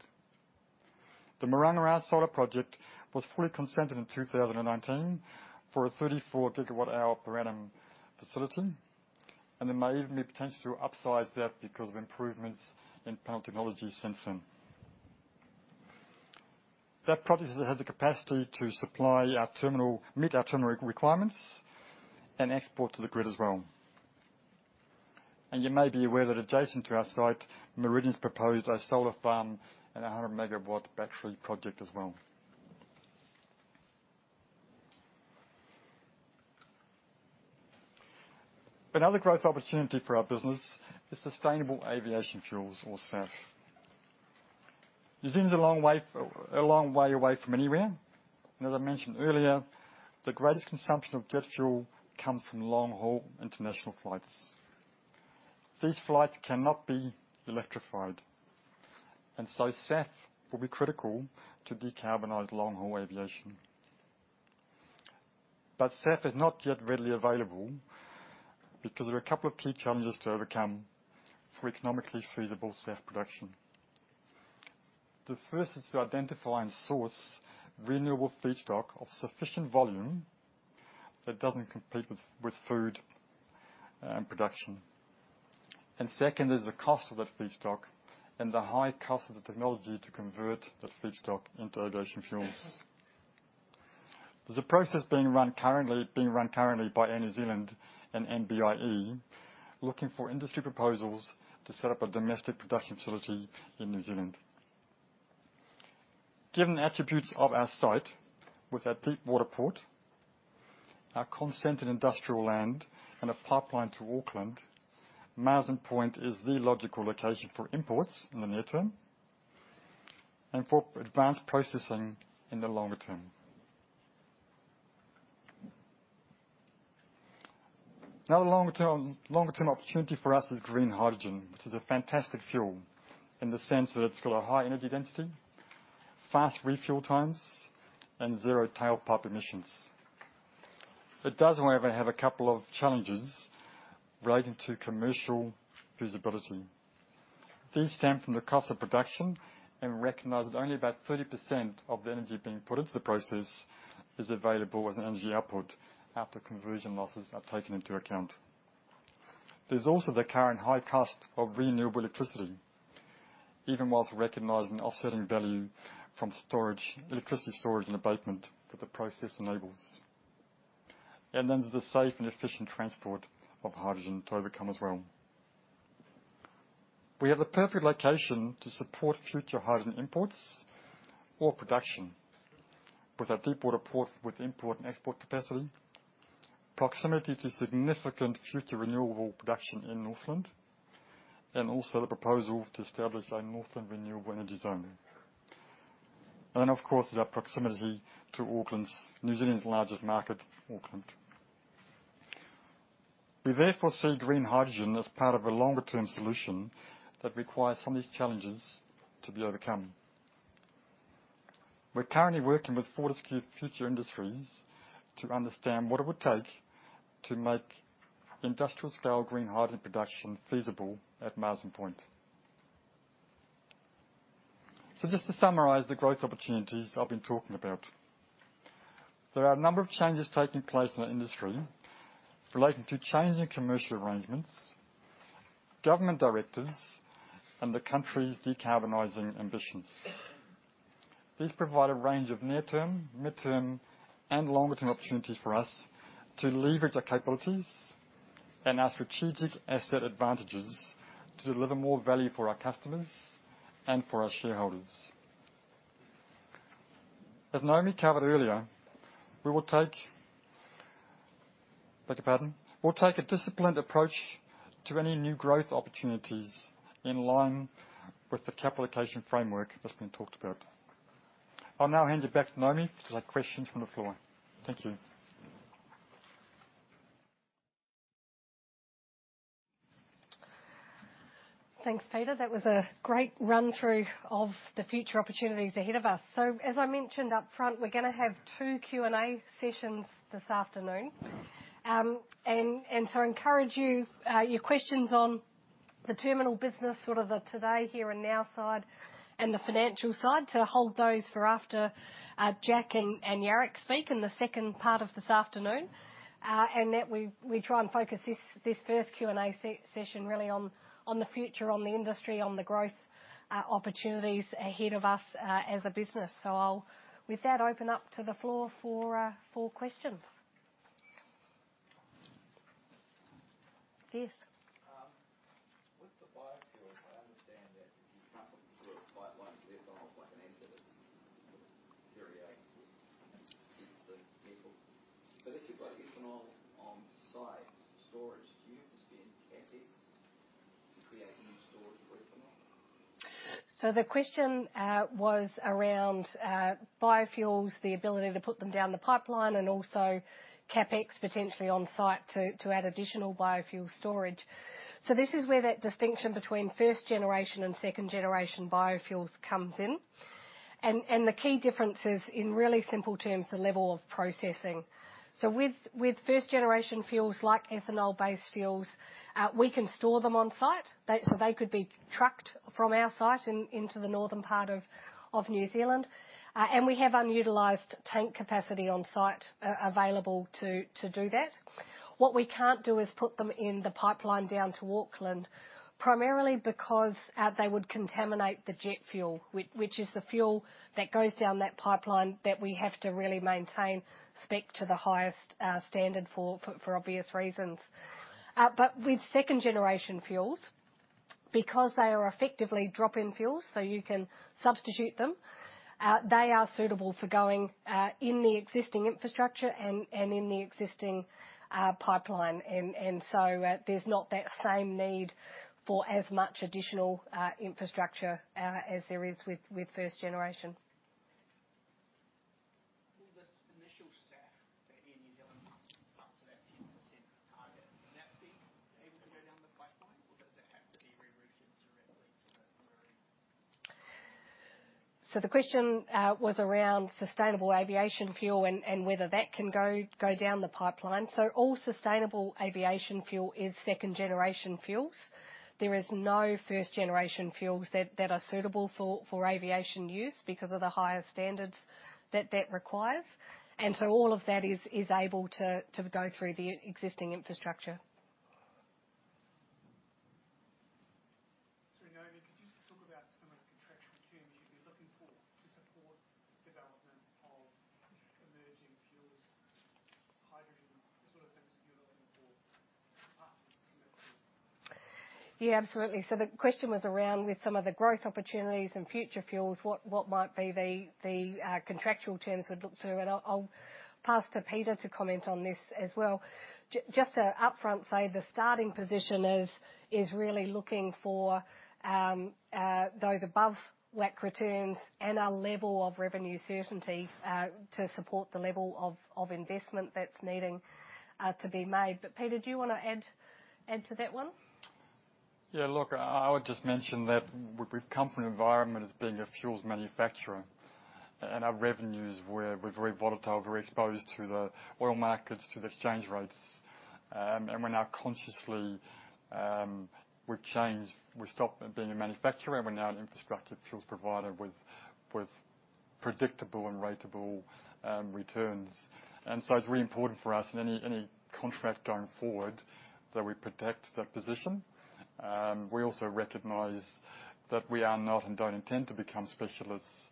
Speaker 2: The Maranga Ra solar project was fully consented in 2019 for a 34 GWh per annum facility, and there may even be potential to upsize that because of improvements in panel technology since then. That project has the capacity to supply our terminal, meet our terminal requirements and export to the grid as well. You may be aware that adjacent to our site, Meridian's proposed a solar farm and a 100 MW battery project as well. Another growth opportunity for our business is sustainable aviation fuels or SAF. New Zealand's a long way away from anywhere, and as I mentioned earlier, the greatest consumption of jet fuel comes from long-haul international flights. These flights cannot be electrified, and so SAF will be critical to decarbonize long-haul aviation. SAF is not yet readily available because there are a couple of key challenges to overcome for economically feasible SAF production. The first is to identify and source renewable feedstock of sufficient volume that doesn't compete with food production. Second is the cost of that feedstock and the high cost of the technology to convert that feedstock into aviation fuels. There's a process being run currently by Air New Zealand and MBIE, looking for industry proposals to set up a domestic production facility in New Zealand. Given the attributes of our site with our deepwater port, our consented industrial land, and a pipeline to Auckland, Marsden Point is the logical location for imports in the near term and for advanced processing in the longer-term. Another longer-term opportunity for us is green hydrogen, which is a fantastic fuel in the sense that it's got a high energy density, fast refuel times, and zero tailpipe emissions. It does, however, have a couple of challenges relating to commercial feasibility. These stem from the cost of production and recognize that only about 30% of the energy being put into the process is available as an energy output after conversion losses are taken into account. There's also the current high cost of renewable electricity, even while recognizing the offsetting value from storage, electricity storage and abatement that the process enables. Then there's the safe and efficient transport of hydrogen to overcome as well. We have the perfect location to support future hydrogen imports or production with our deepwater port with import and export capacity, proximity to significant future renewable production in Northland, and also the proposal to establish a Northland renewable energy zone. Of course, our proximity to New Zealand's largest market, Auckland. We therefore see green hydrogen as part of a longer-term solution that requires some of these challenges to be overcome. We're currently working with Fortescue Future Industries to understand what it would take to make industrial-scale green hydrogen production feasible at Marsden Point. Just to summarize the growth opportunities I've been talking about, there are a number of changes taking place in our industry relating to changing commercial arrangements, government directives, and the country's decarbonizing ambitions. These provide a range of near-term, mid-term, and longer-term opportunities for us to leverage our capabilities and our strategic asset advantages to deliver more value for our customers and for our shareholders. As Naomi covered earlier, we'll take a disciplined approach to any new growth opportunities in line with the capital allocation framework that's been talked about. I'll now hand it back to Naomi to take questions from the floor. Thank you.
Speaker 1: Thanks, Peter. That was a great run-through of the future opportunities ahead of us. As I mentioned up front, we're gonna have two Q&A sessions this afternoon. I encourage you, your questions on the terminal business, sort of the today here and now side and the financial side, to hold those for after Jack and Jarek speak in the second part of this afternoon. We try and focus this first Q&A session really on the future, on the industry, on the growth opportunities ahead of us as a business. With that, I'll open up to the floor for questions. Yes.
Speaker 3: With the biofuels, I understand that you can't put them through a pipeline. It sort of corrodes. If you've got ethanol on-site storage, do you have to spend CapEx?
Speaker 1: The question was around biofuels, the ability to put them down the pipeline and also CapEx potentially on site to add additional biofuel storage. This is where that distinction between first generation and second generation biofuels comes in. The key difference is, in really simple terms, the level of processing. With first generation fuels, like ethanol-based fuels, we can store them on site. They could be trucked from our site into the northern part of New Zealand. We have unutilized tank capacity on site available to do that. What we can't do is put them in the pipeline down to Auckland, primarily because they would contaminate the jet fuel, which is the fuel that goes down that pipeline that we have to really maintain spec to the highest standard for obvious reasons. But with second generation fuels, because they are effectively drop-in fuels, so you can substitute them, they are suitable for going in the existing infrastructure and in the existing pipeline. There's not that same need for as much additional infrastructure as there is with first generation.
Speaker 3: Will the initial SAF that Air New Zealand pumps to that 10% target, will that be able to go down the pipeline or does it have to be rerouted directly to Auckland only?
Speaker 1: The question was around sustainable aviation fuel and whether that can go down the pipeline. All sustainable aviation fuel is second generation fuels. There is no first generation fuels that are suitable for aviation use because of the higher standards that requires. All of that is able to go through the existing infrastructure.
Speaker 3: Support development of emerging fuels, hydrogen, the sort of things you're looking for partners.
Speaker 1: Yeah, absolutely. The question was around with some of the growth opportunities and future fuels, what might be the contractual terms we'd look to? I'll pass to Peter to comment on this as well. Just to upfront say the starting position is really looking for those above WACC returns and a level of revenue certainty to support the level of investment that's needing to be made. Peter, do you wanna add to that one?
Speaker 2: Yeah. Look, I would just mention that we've come from an environment as being a fuels manufacturer, and our revenues were very volatile, very exposed to the oil markets, to the exchange rates. We're now consciously, we've changed. We stopped being a manufacturer, and we're now an infrastructure fuels provider with predictable and ratable returns. It's really important for us in any contract going forward that we protect that position. We also recognize that we are not and don't intend to become specialists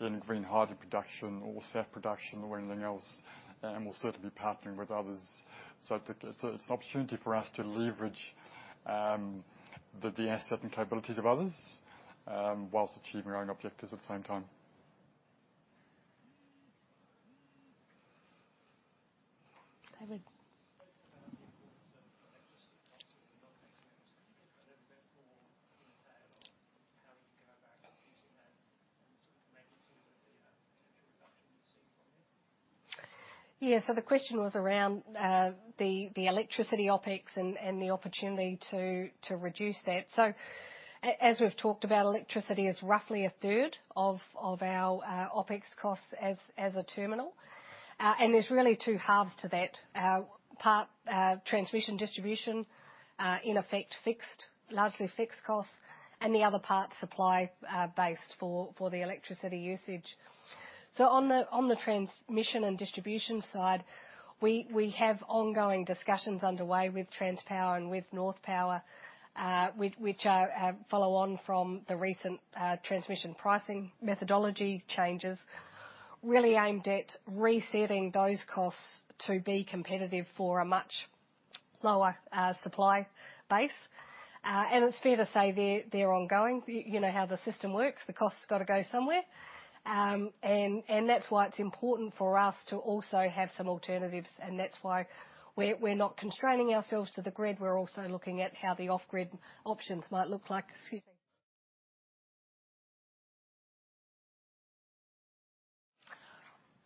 Speaker 2: in green hydrogen production or SAF production or anything else, and we'll certainly be partnering with others. I think it's an opportunity for us to leverage the asset and capabilities of others while achieving our own objectives at the same time.
Speaker 1: David. Yeah. The question was around the electricity OpEx and the opportunity to reduce that. As we've talked about, electricity is roughly a third of our OpEx costs as a terminal. And there's really two halves to that. Part transmission, distribution, in effect, fixed, largely fixed costs, and the other part supply based for the electricity usage. On the transmission and distribution side, we have ongoing discussions underway with Transpower and with Northpower, which are follow on from the recent transmission pricing methodology changes, really aimed at resetting those costs to be competitive for a much lower supply base. And it's fair to say they're ongoing. You know how the system works, the costs gotta go somewhere. That's why it's important for us to also have some alternatives, and that's why we're not constraining ourselves to the grid. We're also looking at how the off-grid options might look like. Excuse me.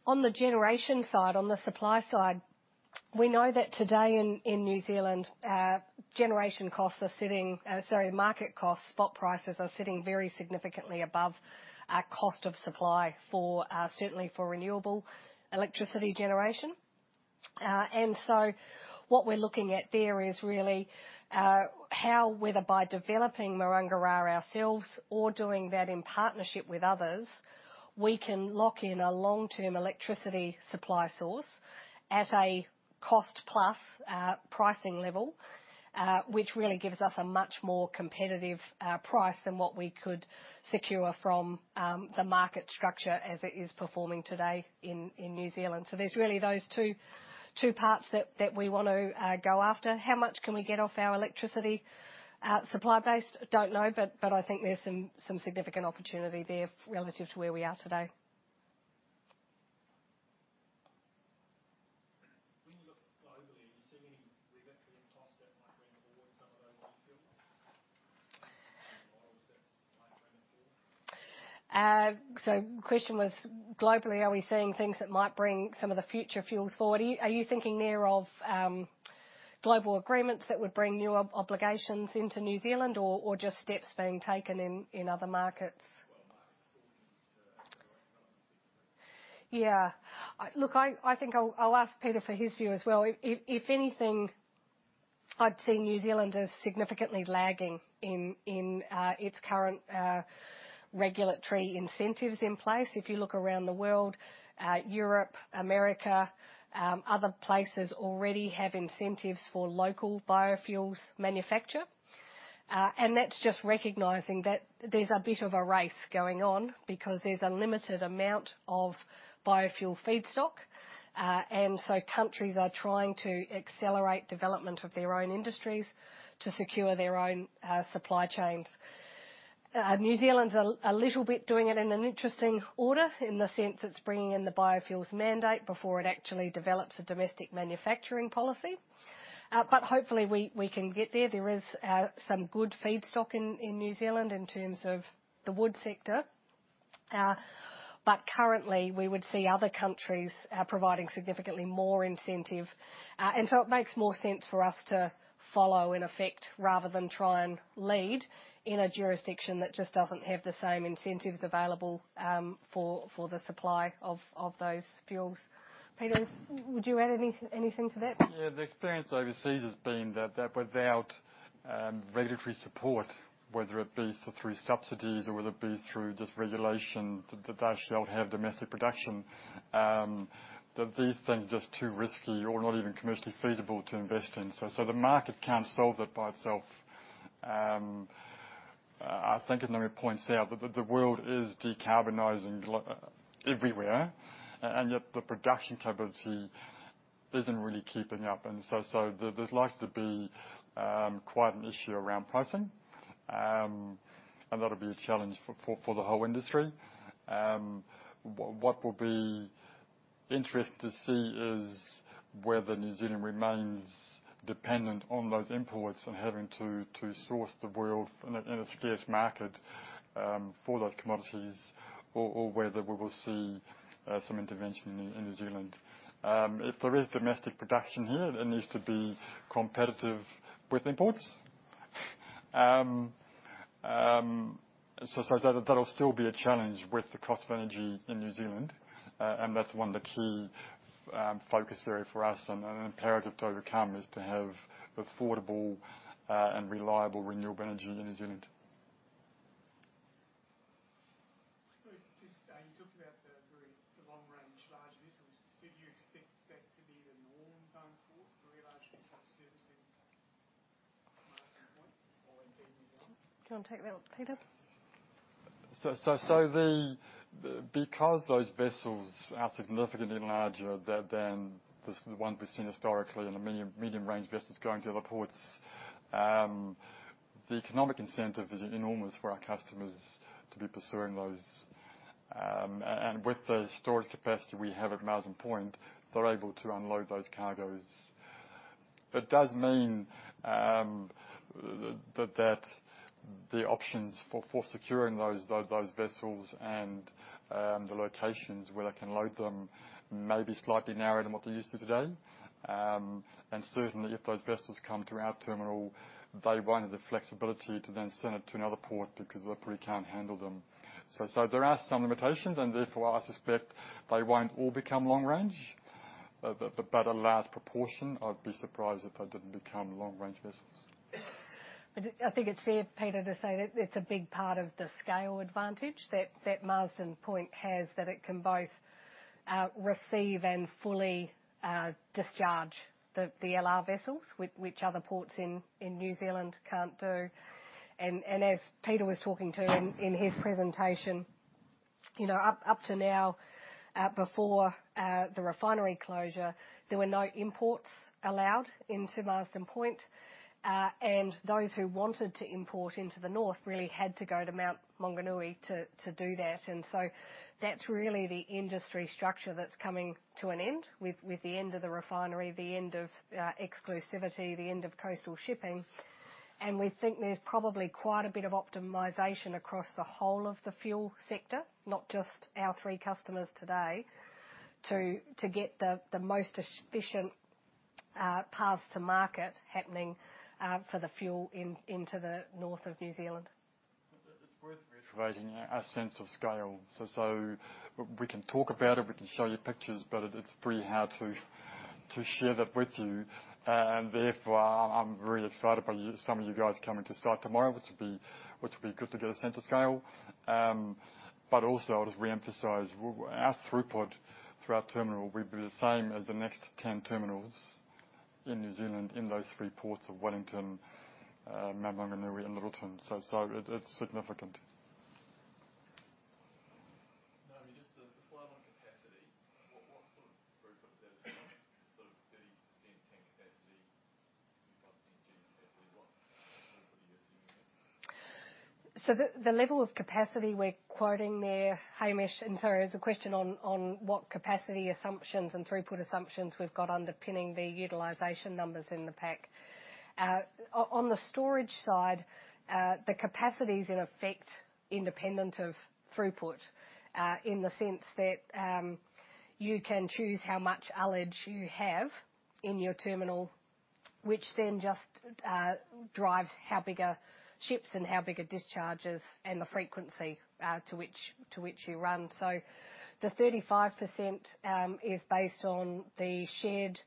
Speaker 1: On the generation side, on the supply side, we know that today in New Zealand, market costs, spot prices are sitting very significantly above our cost of supply, certainly for renewable electricity generation. What we're looking at there is really how whether by developing Maranga Ra ourselves or doing that in partnership with others, we can lock in a long-term electricity supply source at a cost plus pricing level, which really gives us a much more competitive price than what we could secure from the market structure as it is performing today in New Zealand. There's really those two parts that we want to go after. How much can we get off our electricity supply base? Don't know, but I think there's some significant opportunity there relative to where we are today.
Speaker 3: When you look globally, are you seeing any regulatory costs that might bring forward some of those new fuels? models.
Speaker 1: Question was globally, are we seeing things that might bring some of the future fuels forward? Are you thinking there of global agreements that would bring new obligations into New Zealand or just steps being taken in other markets? Yeah. Look, I think I'll ask Peter for his view as well. If anything, I'd see New Zealand as significantly lagging in its current regulatory incentives in place. If you look around the world, Europe, America, other places already have incentives for local biofuels manufacture. That's just recognizing that there's a bit of a race going on because there's a limited amount of biofuel feedstock. Countries are trying to accelerate development of their own industries to secure their own supply chains. New Zealand's a little bit doing it in an interesting order in the sense it's bringing in the biofuels mandate before it actually develops a domestic manufacturing policy. Hopefully we can get there. There is some good feedstock in New Zealand in terms of the wood sector. Currently, we would see other countries providing significantly more incentive. It makes more sense for us to follow in effect rather than try and lead in a jurisdiction that just doesn't have the same incentives available for the supply of those fuels. Peter, would you add anything to that?
Speaker 2: Yeah. The experience overseas has been that without regulatory support, whether it be through subsidies or whether it be through just regulation, that they actually don't have domestic production, that these things are just too risky or not even commercially feasible to invest in. The market can't solve it by itself. I think as Naomi points out that the world is decarbonizing everywhere, and yet the production capacity isn't really keeping up. There's likely to be quite an issue around pricing. That'll be a challenge for the whole industry. What will be interesting to see is whether New Zealand remains dependent on those imports and having to source from the world in a scarce market for those commodities or whether we will see some intervention in New Zealand. If there is domestic production here, it needs to be competitive with imports. That'll still be a challenge with the cost of energy in New Zealand. That's one of the key focus there for us and an imperative to overcome is to have affordable and reliable renewable energy in New Zealand.
Speaker 3: Just, you talked about the long-range large vessels. Do you expect that to be the norm going forward for really large vessels servicing?
Speaker 1: Do you wanna take that one, Peter?
Speaker 2: Because those vessels are significantly larger than the ones we've seen historically and the medium-range vessels going to other ports, the economic incentive is enormous for our customers to be pursuing those. With the storage capacity we have at Marsden Point, they're able to unload those cargoes. It does mean that the options for securing those vessels and the locations where they can load them may be slightly narrower than what they're used to today. Certainly if those vessels come to our terminal, they won't have the flexibility to then send it to another port because they probably can't handle them. There are some limitations and therefore I suspect they won't all become long range. A large proportion, I'd be surprised if they didn't become long-range vessels.
Speaker 1: I think it's fair, Peter, to say that it's a big part of the scale advantage that Marsden Point has that it can both receive and fully discharge the LR vessels which other ports in New Zealand can't do. As Peter was talking about in his presentation, you know, up to now, before the refinery closure, there were no imports allowed into Marsden Point. Those who wanted to import into the north really had to go to Mount Maunganui to do that. That's really the industry structure that's coming to an end with the end of the refinery, the end of exclusivity, the end of coastal shipping. We think there's probably quite a bit of optimization across the whole of the fuel sector, not just our three customers today, to get the most efficient paths to market happening for the fuel into the north of New Zealand.
Speaker 2: It's worth reiterating our sense of scale, so we can talk about it, we can show you pictures, but it's pretty hard to share that with you. Therefore I'm really excited by you, some of you guys coming to site tomorrow, which will be good to get a sense of scale. Also I'll just reemphasize our throughput through our terminal will be the same as the next 10 terminals in New Zealand in those three ports of Wellington, Mount Maunganui and Lyttelton. It's significant.
Speaker 4: Naomi, just the slide on capacity. What sort of throughputs are assuming, sort of 30% tank capacity, 30% terminal capacity as well?
Speaker 1: The level of capacity we're quoting there, Hamish, as a question on what capacity assumptions and throughput assumptions we've got underpinning the utilization numbers in the pack. On the storage side, the capacity is in effect independent of throughput, in the sense that you can choose how much ullage you have in your terminal, which then just drives how bigger ships and how bigger discharges and the frequency to which you run. The 35% is based on the shared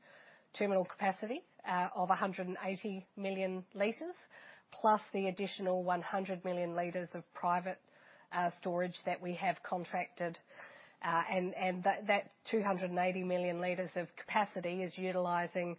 Speaker 1: terminal capacity of 180 million L, plus the additional 100 million L of private storage that we have contracted. That 280 million L of capacity is utilizing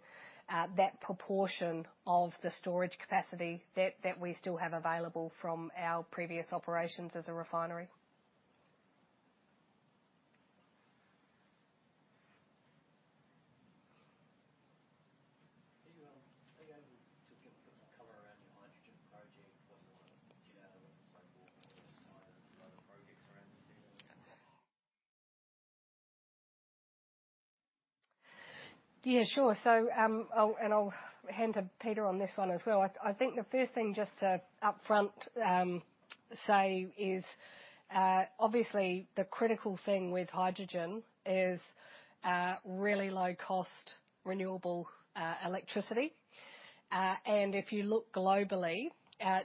Speaker 1: Yeah, sure. I'll hand to Peter on this one as well. I think the first thing just to upfront say is obviously the critical thing with hydrogen is really low cost renewable electricity. And if you look globally,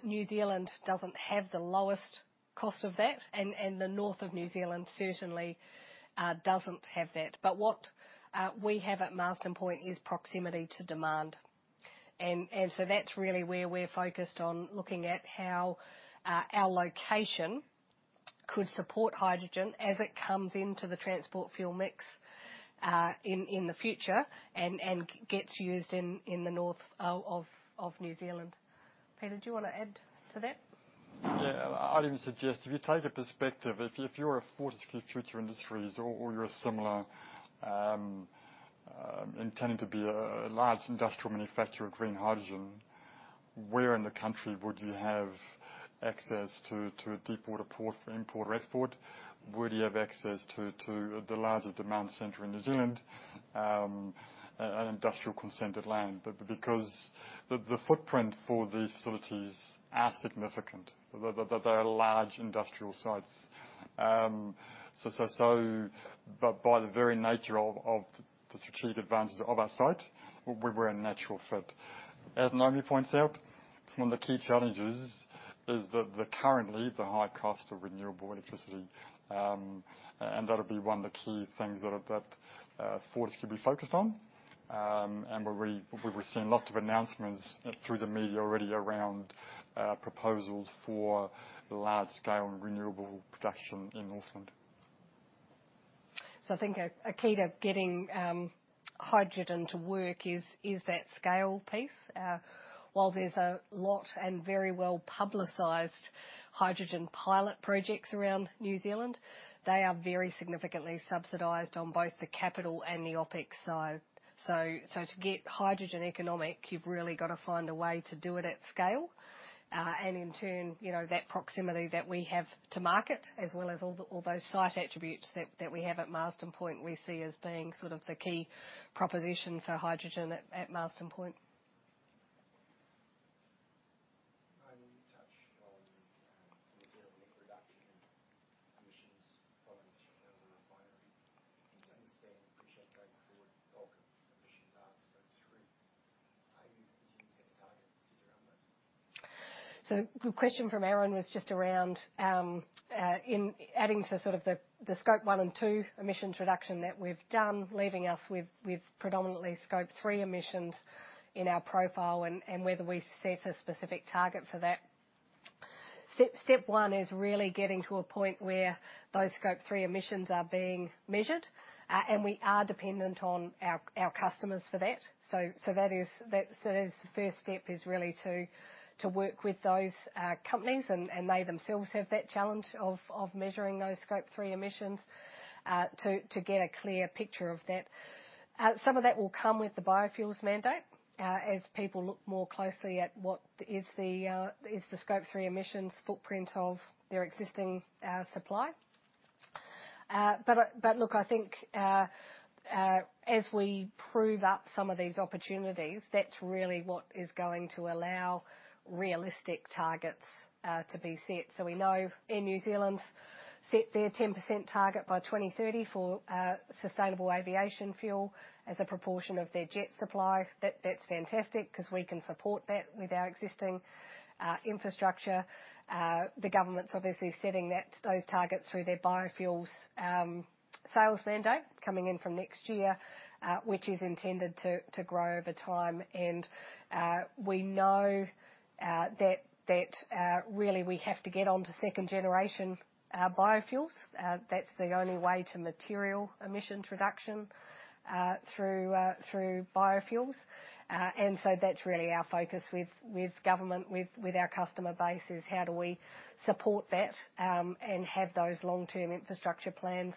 Speaker 1: New Zealand doesn't have the lowest cost of that, and the north of New Zealand certainly doesn't have that. But what we have at Marsden Point is proximity to demand. And so that's really where we're focused on looking at how our location could support hydrogen as it comes into the transport fuel mix in the future and gets used in the north of New Zealand. Peter, do you wanna add to that?
Speaker 2: Yeah. I would suggest, if you take a perspective, if you're a Fortescue Future Industries or you're a similar intending to be a large industrial manufacturer of green hydrogen, where in the country would you have access to a deepwater port for import or export? Would you have access to the largest demand center in New Zealand, and industrial consented land? Because the footprint for these facilities are significant. They are large industrial sites. By the very nature of the strategic advantage of our site, we're a natural fit. As Naomi points out, one of the key challenges is currently the high cost of renewable electricity. That'll be one of the key things that Fortescue be focused on. We're already. We've been seeing lots of announcements through the media already around proposals for large scale and renewable production in Northland.
Speaker 1: I think a key to getting hydrogen to work is that scale piece. While there's a lot of very well-publicized hydrogen pilot projects around New Zealand, they are very significantly subsidized on both the capital and the OpEx side. To get hydrogen economic, you've really gotta find a way to do it at scale. In turn, you know, that proximity that we have to market, as well as all those site attributes that we have at Marsden Point, we see as being sort of the key proposition for hydrogen at Marsden Point.
Speaker 5: Naomi, you touched on material and reduction in emissions following the. Do you understand emissions going forward? Bulk emissions are Scope 3.
Speaker 1: The question from Aaron was just around in adding to sort of the Scope 1 and 2 emissions reduction that we've done, leaving us with predominantly Scope 3 emissions in our profile and whether we set a specific target for that. Step one is really getting to a point where those Scope 3 emissions are being measured and we are dependent on our customers for that. That is the first step, really to work with those companies, and they themselves have that challenge of measuring those Scope 3 emissions to get a clear picture of that. Some of that will come with the biofuels mandate, as people look more closely at what is the Scope 3 emissions footprint of their existing supply. Look, I think as we prove up some of these opportunities, that's really what is going to allow realistic targets to be set. We know Air New Zealand's set their 10% target by 2030 for sustainable aviation fuel as a proportion of their jet supply. That's fantastic, 'cause we can support that with our existing infrastructure. The government's obviously setting those targets through their biofuels sales mandate coming in from next year, which is intended to grow over time. We know that really we have to get on to second generation biofuels. That's the only way to materially reduce emissions through biofuels. That's really our focus with government, with our customer base, is how do we support that, and have those long-term infrastructure plans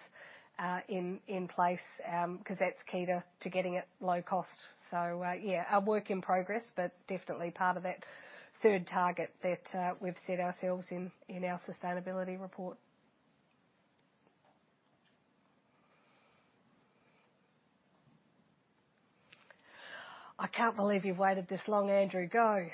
Speaker 1: in place, 'cause that's key to getting it low cost. Yeah, a work in progress, but definitely part of that third target that we've set ourselves in our sustainability report. I can't believe you've waited this long, Andrew. Go.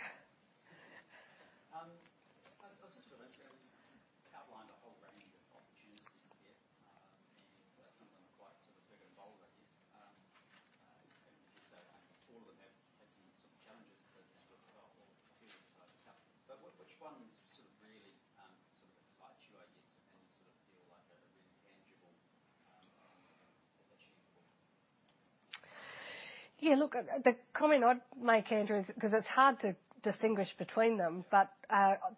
Speaker 6: I was just wondering, you outlined a whole range of opportunities here. Some of them are quite sort of big and bold, I guess. All of them have some sort of challenges that sort of are all peculiar to the type of company. Which ones sort of really, sort of excite you, I guess, and you sort of feel like they're really tangible, and achievable?
Speaker 1: Yeah. Look, the comment I'd make, Andrew, is 'cause it's hard to distinguish between them, but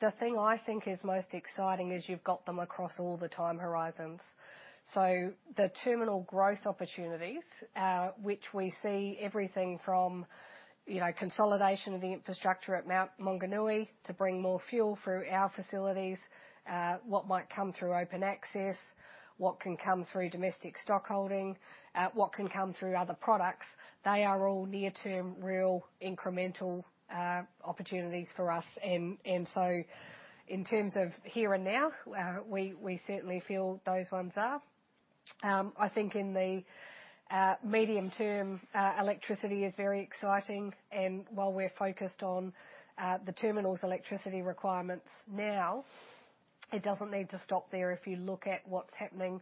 Speaker 1: the thing I think is most exciting is you've got them across all the time horizons. The terminal growth opportunities, which we see everything from, you know, consolidation of the infrastructure at Mount Maunganui to bring more fuel through our facilities, what might come through open access, what can come through domestic stockholding, what can come through other products, they are all near-term, real, incremental opportunities for us. So in terms of here and now, we certainly feel those ones are. I think in the medium term, electricity is very exciting. While we're focused on the terminal's electricity requirements now, it doesn't need to stop there. If you look at what's happening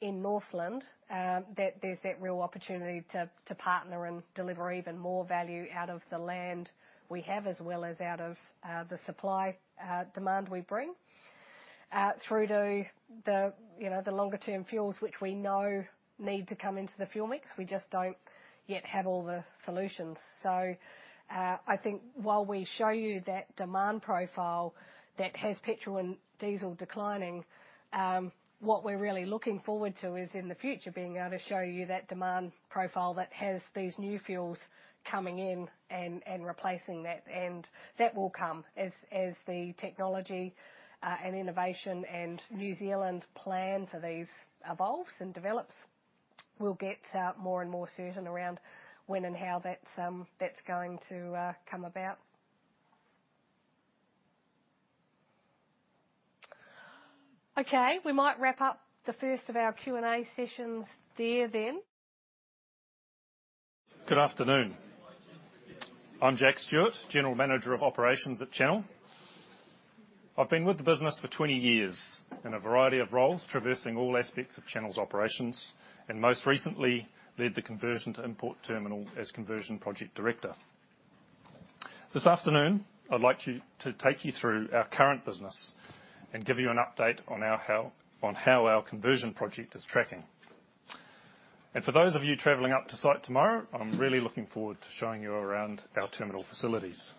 Speaker 1: in Northland, that there's that real opportunity to partner and deliver even more value out of the land we have, as well as out of the supply, demand we bring. Through to the, you know, the longer-term fuels, which we know need to come into the fuel mix. We just don't yet have all the solutions. I think while we show you that demand profile that has petrol and diesel declining, what we're really looking forward to is, in the future, being able to show you that demand profile that has these new fuels coming in and replacing that, and that will come. As the technology, and innovation, and New Zealand plan for these evolves and develops, we'll get out more and more certain around when and how that's going to come about. Okay, we might wrap up the first of our Q&A sessions there then.
Speaker 7: Good afternoon. I'm Jack Stewart, General Manager of Operations at Channel. I've been with the business for 20 years in a variety of roles, traversing all aspects of Channel's operations and most recently led the conversion to import terminal as Conversion Project Director. This afternoon, I'd like to take you through our current business and give you an update on how our conversion project is tracking. For those of you traveling up to site tomorrow, I'm really looking forward to showing you around our terminal facilities.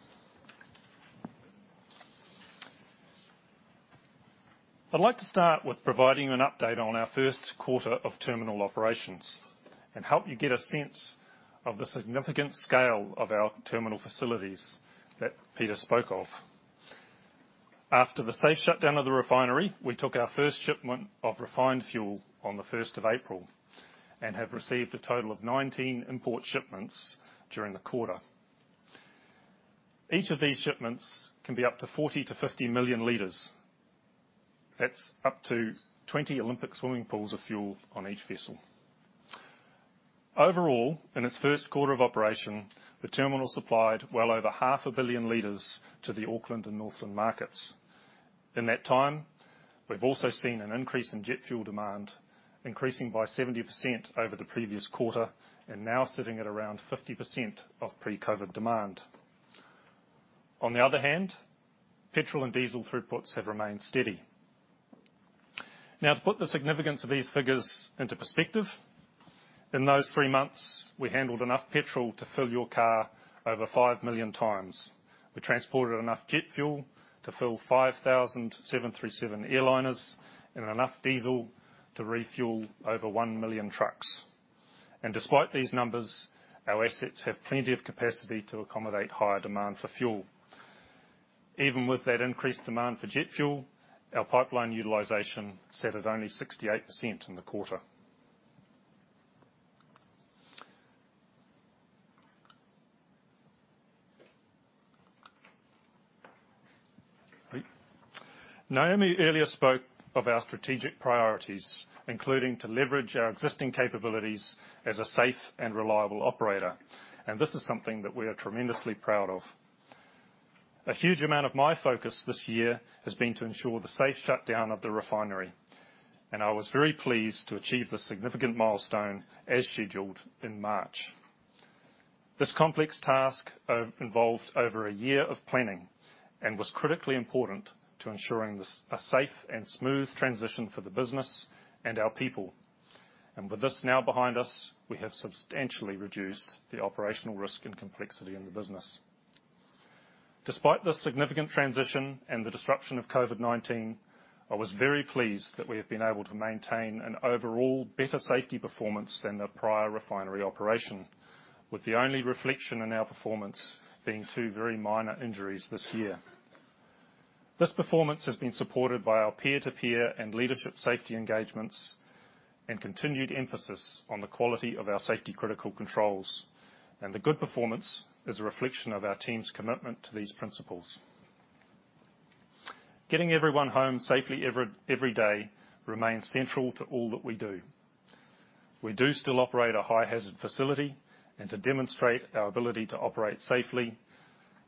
Speaker 7: I'd like to start with providing you an update on our first quarter of terminal operations and help you get a sense of the significant scale of our terminal facilities that Peter spoke of. After the safe shutdown of the refinery, we took our first shipment of refined fuel on the first of April, and have received a total of 19 import shipments during the quarter. Each of these shipments can be up to 40 million L-50 million L. That's up to 20 Olympic swimming pools of fuel on each vessel. Overall, in its first quarter of operation, the terminal supplied well over 500 million L to the Auckland and Northland markets. In that time, we've also seen an increase in jet fuel demand, increasing by 70% over the previous quarter, and now sitting at around 50% of pre-COVID demand. On the other hand, petrol and diesel throughputs have remained steady. Now, to put the significance of these figures into perspective, in those three months, we handled enough petrol to fill your car over five million times. We transported enough jet fuel to fill 5,737 airliners and enough diesel to refuel over one million trucks. Despite these numbers, our assets have plenty of capacity to accommodate higher demand for fuel. Even with that increased demand for jet fuel, our pipeline utilization sat at only 68% in the quarter. Naomi earlier spoke of our strategic priorities, including to leverage our existing capabilities as a safe and reliable operator, and this is something that we are tremendously proud of. A huge amount of my focus this year has been to ensure the safe shutdown of the refinery, and I was very pleased to achieve this significant milestone as scheduled in March. This complex task involved over a year of planning and was critically important to ensuring a safe and smooth transition for the business and our people. With this now behind us, we have substantially reduced the operational risk and complexity in the business. Despite this significant transition and the disruption of COVID-19, I was very pleased that we have been able to maintain an overall better safety performance than the prior refinery operation, with the only reflection in our performance being two very minor injuries this year. This performance has been supported by our peer-to-peer and leadership safety engagements and continued emphasis on the quality of our safety-critical controls. The good performance is a reflection of our team's commitment to these principles. Getting everyone home safely every day remains central to all that we do. We do still operate a high-hazard facility, and to demonstrate our ability to operate safely,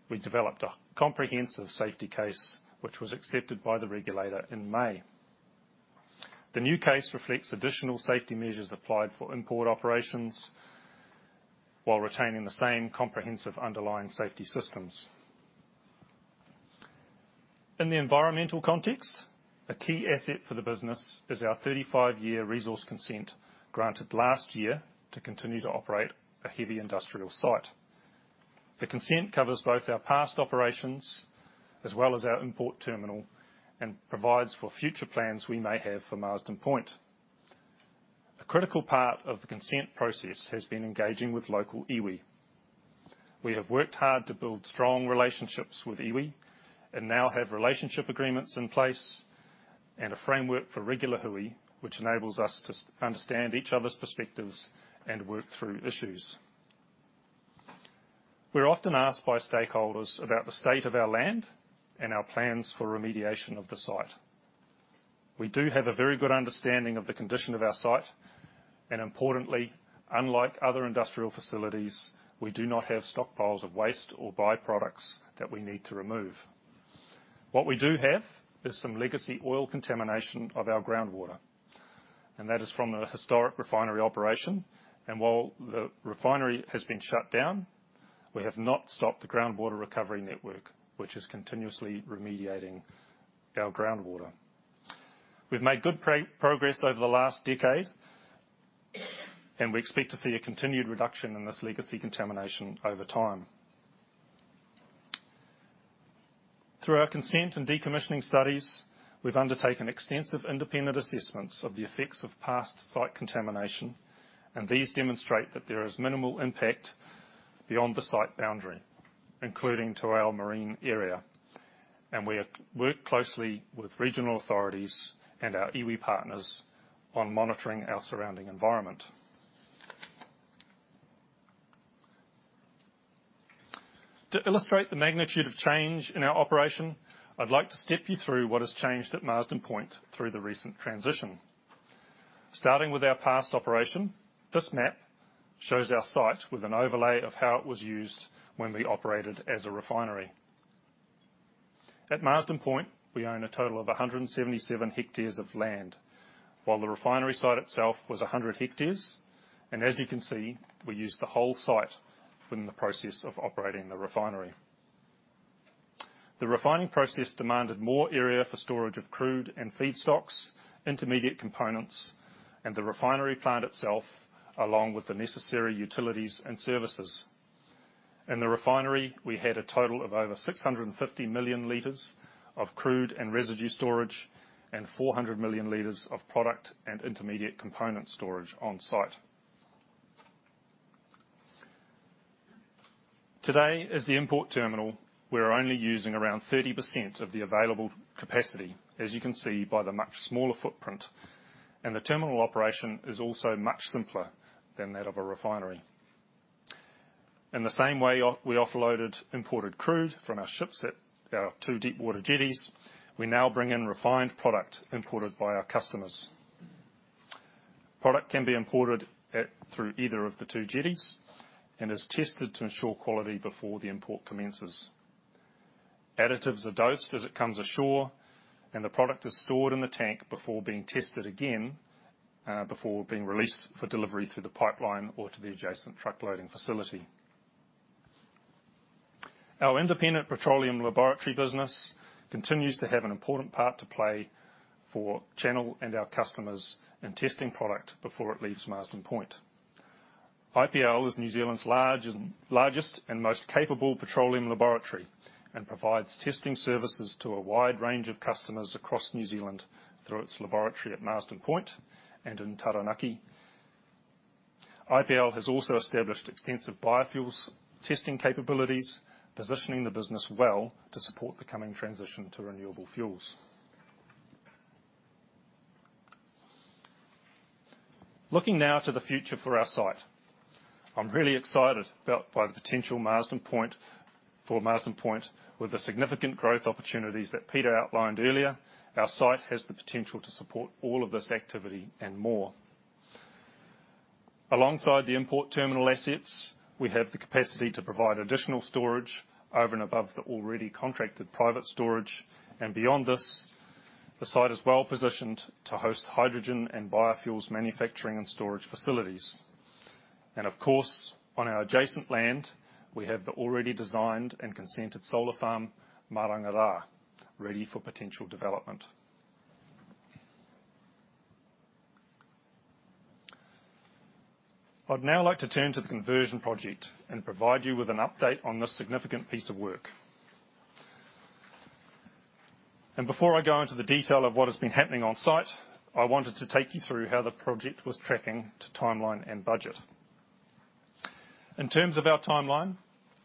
Speaker 7: we developed a comprehensive safety case, which was accepted by the regulator in May. The new case reflects additional safety measures applied for import operations while retaining the same comprehensive underlying safety systems. In the environmental context, a key asset for the business is our 35-year resource consent granted last year to continue to operate a heavy industrial site. The consent covers both our past operations as well as our import terminal and provides for future plans we may have for Marsden Point. A critical part of the consent process has been engaging with local iwi. We have worked hard to build strong relationships with iwi and now have relationship agreements in place, and a framework for regular iwi, which enables us to understand each other's perspectives and work through issues. We're often asked by stakeholders about the state of our land and our plans for remediation of the site. We do have a very good understanding of the condition of our site, and importantly, unlike other industrial facilities, we do not have stockpiles of waste or byproducts that we need to remove. What we do have is some legacy oil contamination of our groundwater. That is from a historic refinery operation. While the refinery has been shut down, we have not stopped the groundwater recovery network, which is continuously remediating our groundwater. We've made good progress over the last decade, and we expect to see a continued reduction in this legacy contamination over time. Through our consent and decommissioning studies, we've undertaken extensive independent assessments of the effects of past site contamination, and these demonstrate that there is minimal impact beyond the site boundary, including to our marine area. We work closely with regional authorities and our iwi partners on monitoring our surrounding environment. To illustrate the magnitude of change in our operation, I'd like to step you through what has changed at Marsden Point through the recent transition. Starting with our past operation, this map shows our site with an overlay of how it was used when we operated as a refinery. At Marsden Point, we own a total of 177 hectares of land, while the refinery site itself was 100 hectares. As you can see, we use the whole site within the process of operating the refinery. The refining process demanded more area for storage of crude and feedstocks, intermediate components, and the refinery plant itself, along with the necessary utilities and services. In the refinery, we had a total of over 650 million L of crude and residue storage and 400 million L of product and intermediate component storage on site. Today, as the import terminal, we're only using around 30% of the available capacity, as you can see by the much smaller footprint, and the terminal operation is also much simpler than that of a refinery. In the same way we offloaded imported crude from our ships at our two deep-water jetties, we now bring in refined product imported by our customers. Product can be imported through either of the two jetties and is tested to ensure quality before the import commences. Additives are dosed as it comes ashore, and the product is stored in the tank before being tested again before being released for delivery through the pipeline or to the adjacent truck loading facility. Our Independent Petroleum Laboratory business continues to have an important part to play for Channel and our customers in testing product before it leaves Marsden Point. IPL is New Zealand's largest and most capable petroleum laboratory, and provides testing services to a wide range of customers across New Zealand through its laboratory at Marsden Point and in Taranaki. IPL has also established extensive biofuels testing capabilities, positioning the business well to support the coming transition to renewable fuels. Looking now to the future for our site. I'm really excited by the potential for Marsden Point, with the significant growth opportunities that Peter outlined earlier. Our site has the potential to support all of this activity and more. Alongside the import terminal assets, we have the capacity to provide additional storage over and above the already contracted private storage, and beyond this, the site is well-positioned to host hydrogen and biofuels manufacturing and storage facilities. Of course, on our adjacent land, we have the already designed and consented solar farm, Maranga Ra, ready for potential development. I'd now like to turn to the conversion project and provide you with an update on this significant piece of work. Before I go into the detail of what has been happening on-site, I wanted to take you through how the project was tracking to timeline and budget. In terms of our timeline,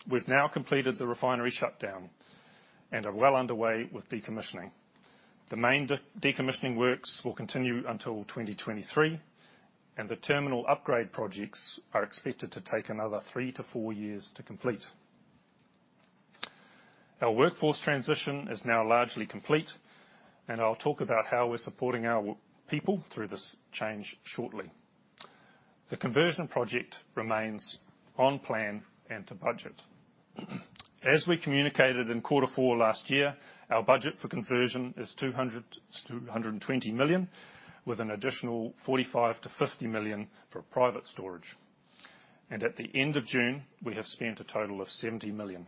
Speaker 7: we've now completed the refinery shutdown and are well underway with decommissioning. The main decommissioning works will continue until 2023, and the terminal upgrade projects are expected to take another three-four years to complete. Our workforce transition is now largely complete, and I'll talk about how we're supporting our people through this change shortly. The conversion project remains on plan and to budget. As we communicated in quarter four last year, our budget for conversion is 200 million-220 million, with an additional 45 million-50 million for private storage. At the end of June, we have spent a total of 70 million.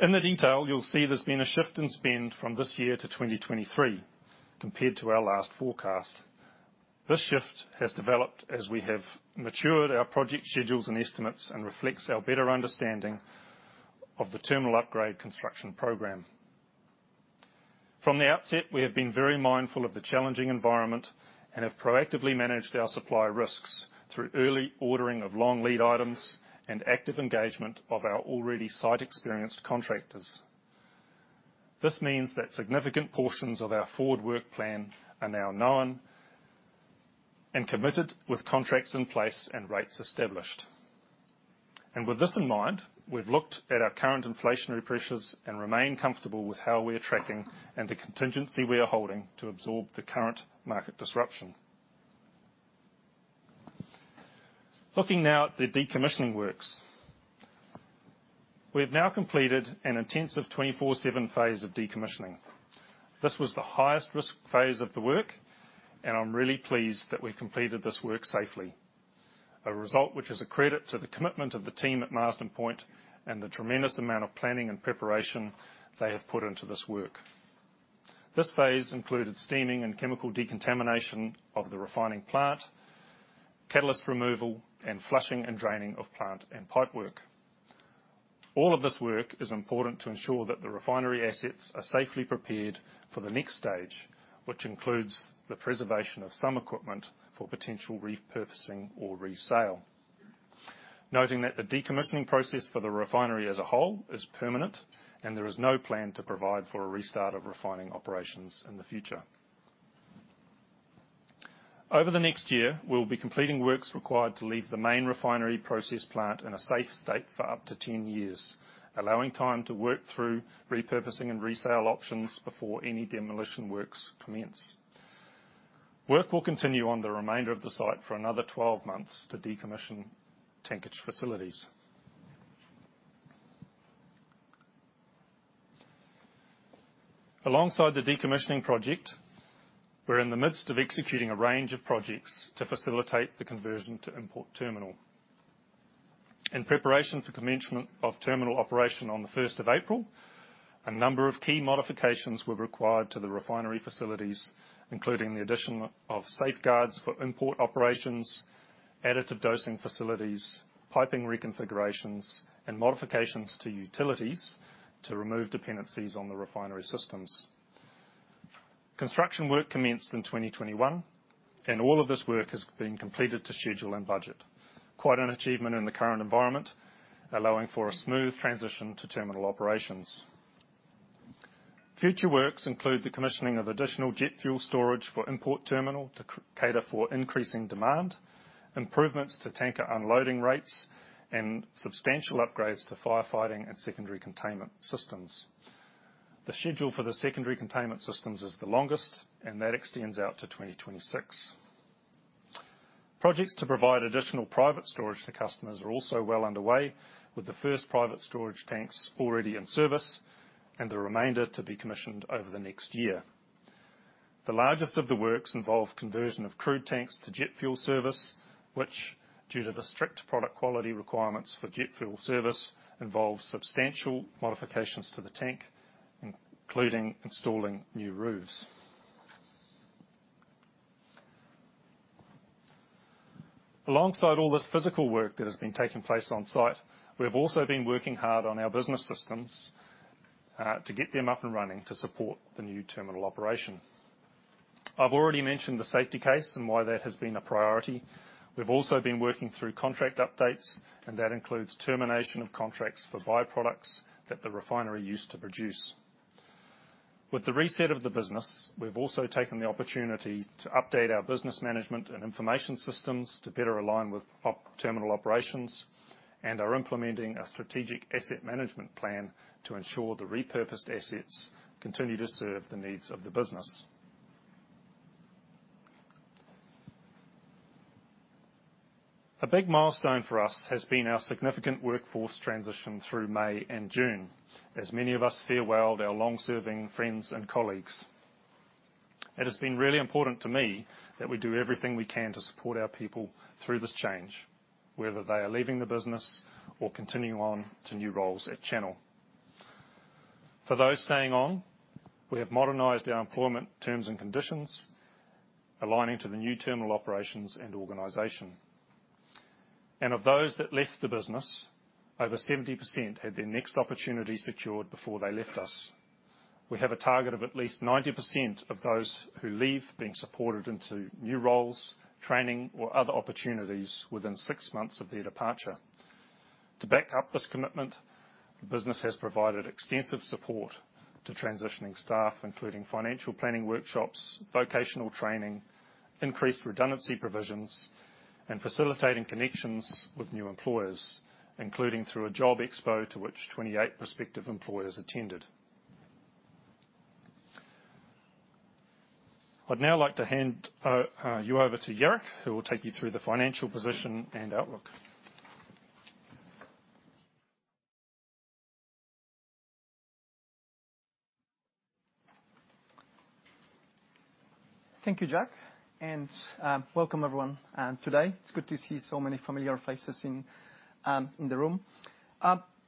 Speaker 7: In the detail, you'll see there's been a shift in spend from this year to 2023 compared to our last forecast. This shift has developed as we have matured our project schedules and estimates and reflects our better understanding of the terminal upgrade construction program. From the outset, we have been very mindful of the challenging environment and have proactively managed our supply risks through early ordering of long lead items and active engagement of our already site-experienced contractors. This means that significant portions of our forward work plan are now known and committed with contracts in place and rates established. With this in mind, we've looked at our current inflationary pressures and remain comfortable with how we are tracking and the contingency we are holding to absorb the current market disruption. Looking now at the decommissioning works. We have now completed an intensive 24/7 phase of decommissioning. This was the highest risk phase of the work, and I'm really pleased that we completed this work safely. A result which is a credit to the commitment of the team at Marsden Point and the tremendous amount of planning and preparation they have put into this work. This phase included steaming and chemical decontamination of the refining plant, catalyst removal, and flushing and draining of plant and pipe work. All of this work is important to ensure that the refinery assets are safely prepared for the next stage, which includes the preservation of some equipment for potential repurposing or resale. Noting that the decommissioning process for the refinery as a whole is permanent and there is no plan to provide for a restart of refining operations in the future. Over the next year, we'll be completing works required to leave the main refinery process plant in a safe state for up to 10 years, allowing time to work through repurposing and resale options before any demolition works commence. Work will continue on the remainder of the site for another 12 months to decommission tankage facilities. Alongside the decommissioning project, we're in the midst of executing a range of projects to facilitate the conversion to import terminal. In preparation for commencement of terminal operation on the 1st of April, a number of key modifications were required to the refinery facilities, including the addition of safeguards for import operations, additive dosing facilities, piping reconfigurations, and modifications to utilities to remove dependencies on the refinery systems. Construction work commenced in 2021, and all of this work has been completed to schedule and budget. Quite an achievement in the current environment, allowing for a smooth transition to terminal operations. Future works include the commissioning of additional jet fuel storage for import terminal to cater for increasing demand, improvements to tanker unloading rates, and substantial upgrades to firefighting and secondary containment systems. The schedule for the secondary containment systems is the longest, and that extends out to 2026. Projects to provide additional private storage to customers are also well underway, with the first private storage tanks already in service and the remainder to be commissioned over the next year. The largest of the works involve conversion of crude tanks to jet fuel service, which, due to the strict product quality requirements for jet fuel service, involves substantial modifications to the tank, including installing new roofs. Alongside all this physical work that has been taking place on site, we have also been working hard on our business systems to get them up and running to support the new terminal operation. I've already mentioned the safety case and why that has been a priority. We've also been working through contract updates, and that includes termination of contracts for by-products that the refinery used to produce. With the reset of the business, we've also taken the opportunity to update our business management and information systems to better align with terminal operations and are implementing a strategic asset management plan to ensure the repurposed assets continue to serve the needs of the business. A big milestone for us has been our significant workforce transition through May and June, as many of us farewelled our long-serving friends and colleagues. It has been really important to me that we do everything we can to support our people through this change, whether they are leaving the business or continuing on to new roles at Channel. For those staying on, we have modernized our employment terms and conditions, aligning to the new terminal operations and organization. Of those that left the business, over 70% had their next opportunity secured before they left us. We have a target of at least 90% of those who leave being supported into new roles, training, or other opportunities within six months of their departure. To back up this commitment, the business has provided extensive support to transitioning staff, including financial planning workshops, vocational training, increased redundancy provisions, and facilitating connections with new employers, including through a job expo to which 28 prospective employers attended. I'd now like to hand you over to Jarek, who will take you through the financial position and outlook.
Speaker 8: Thank you, Jack, and welcome everyone today. It's good to see so many familiar faces in the room.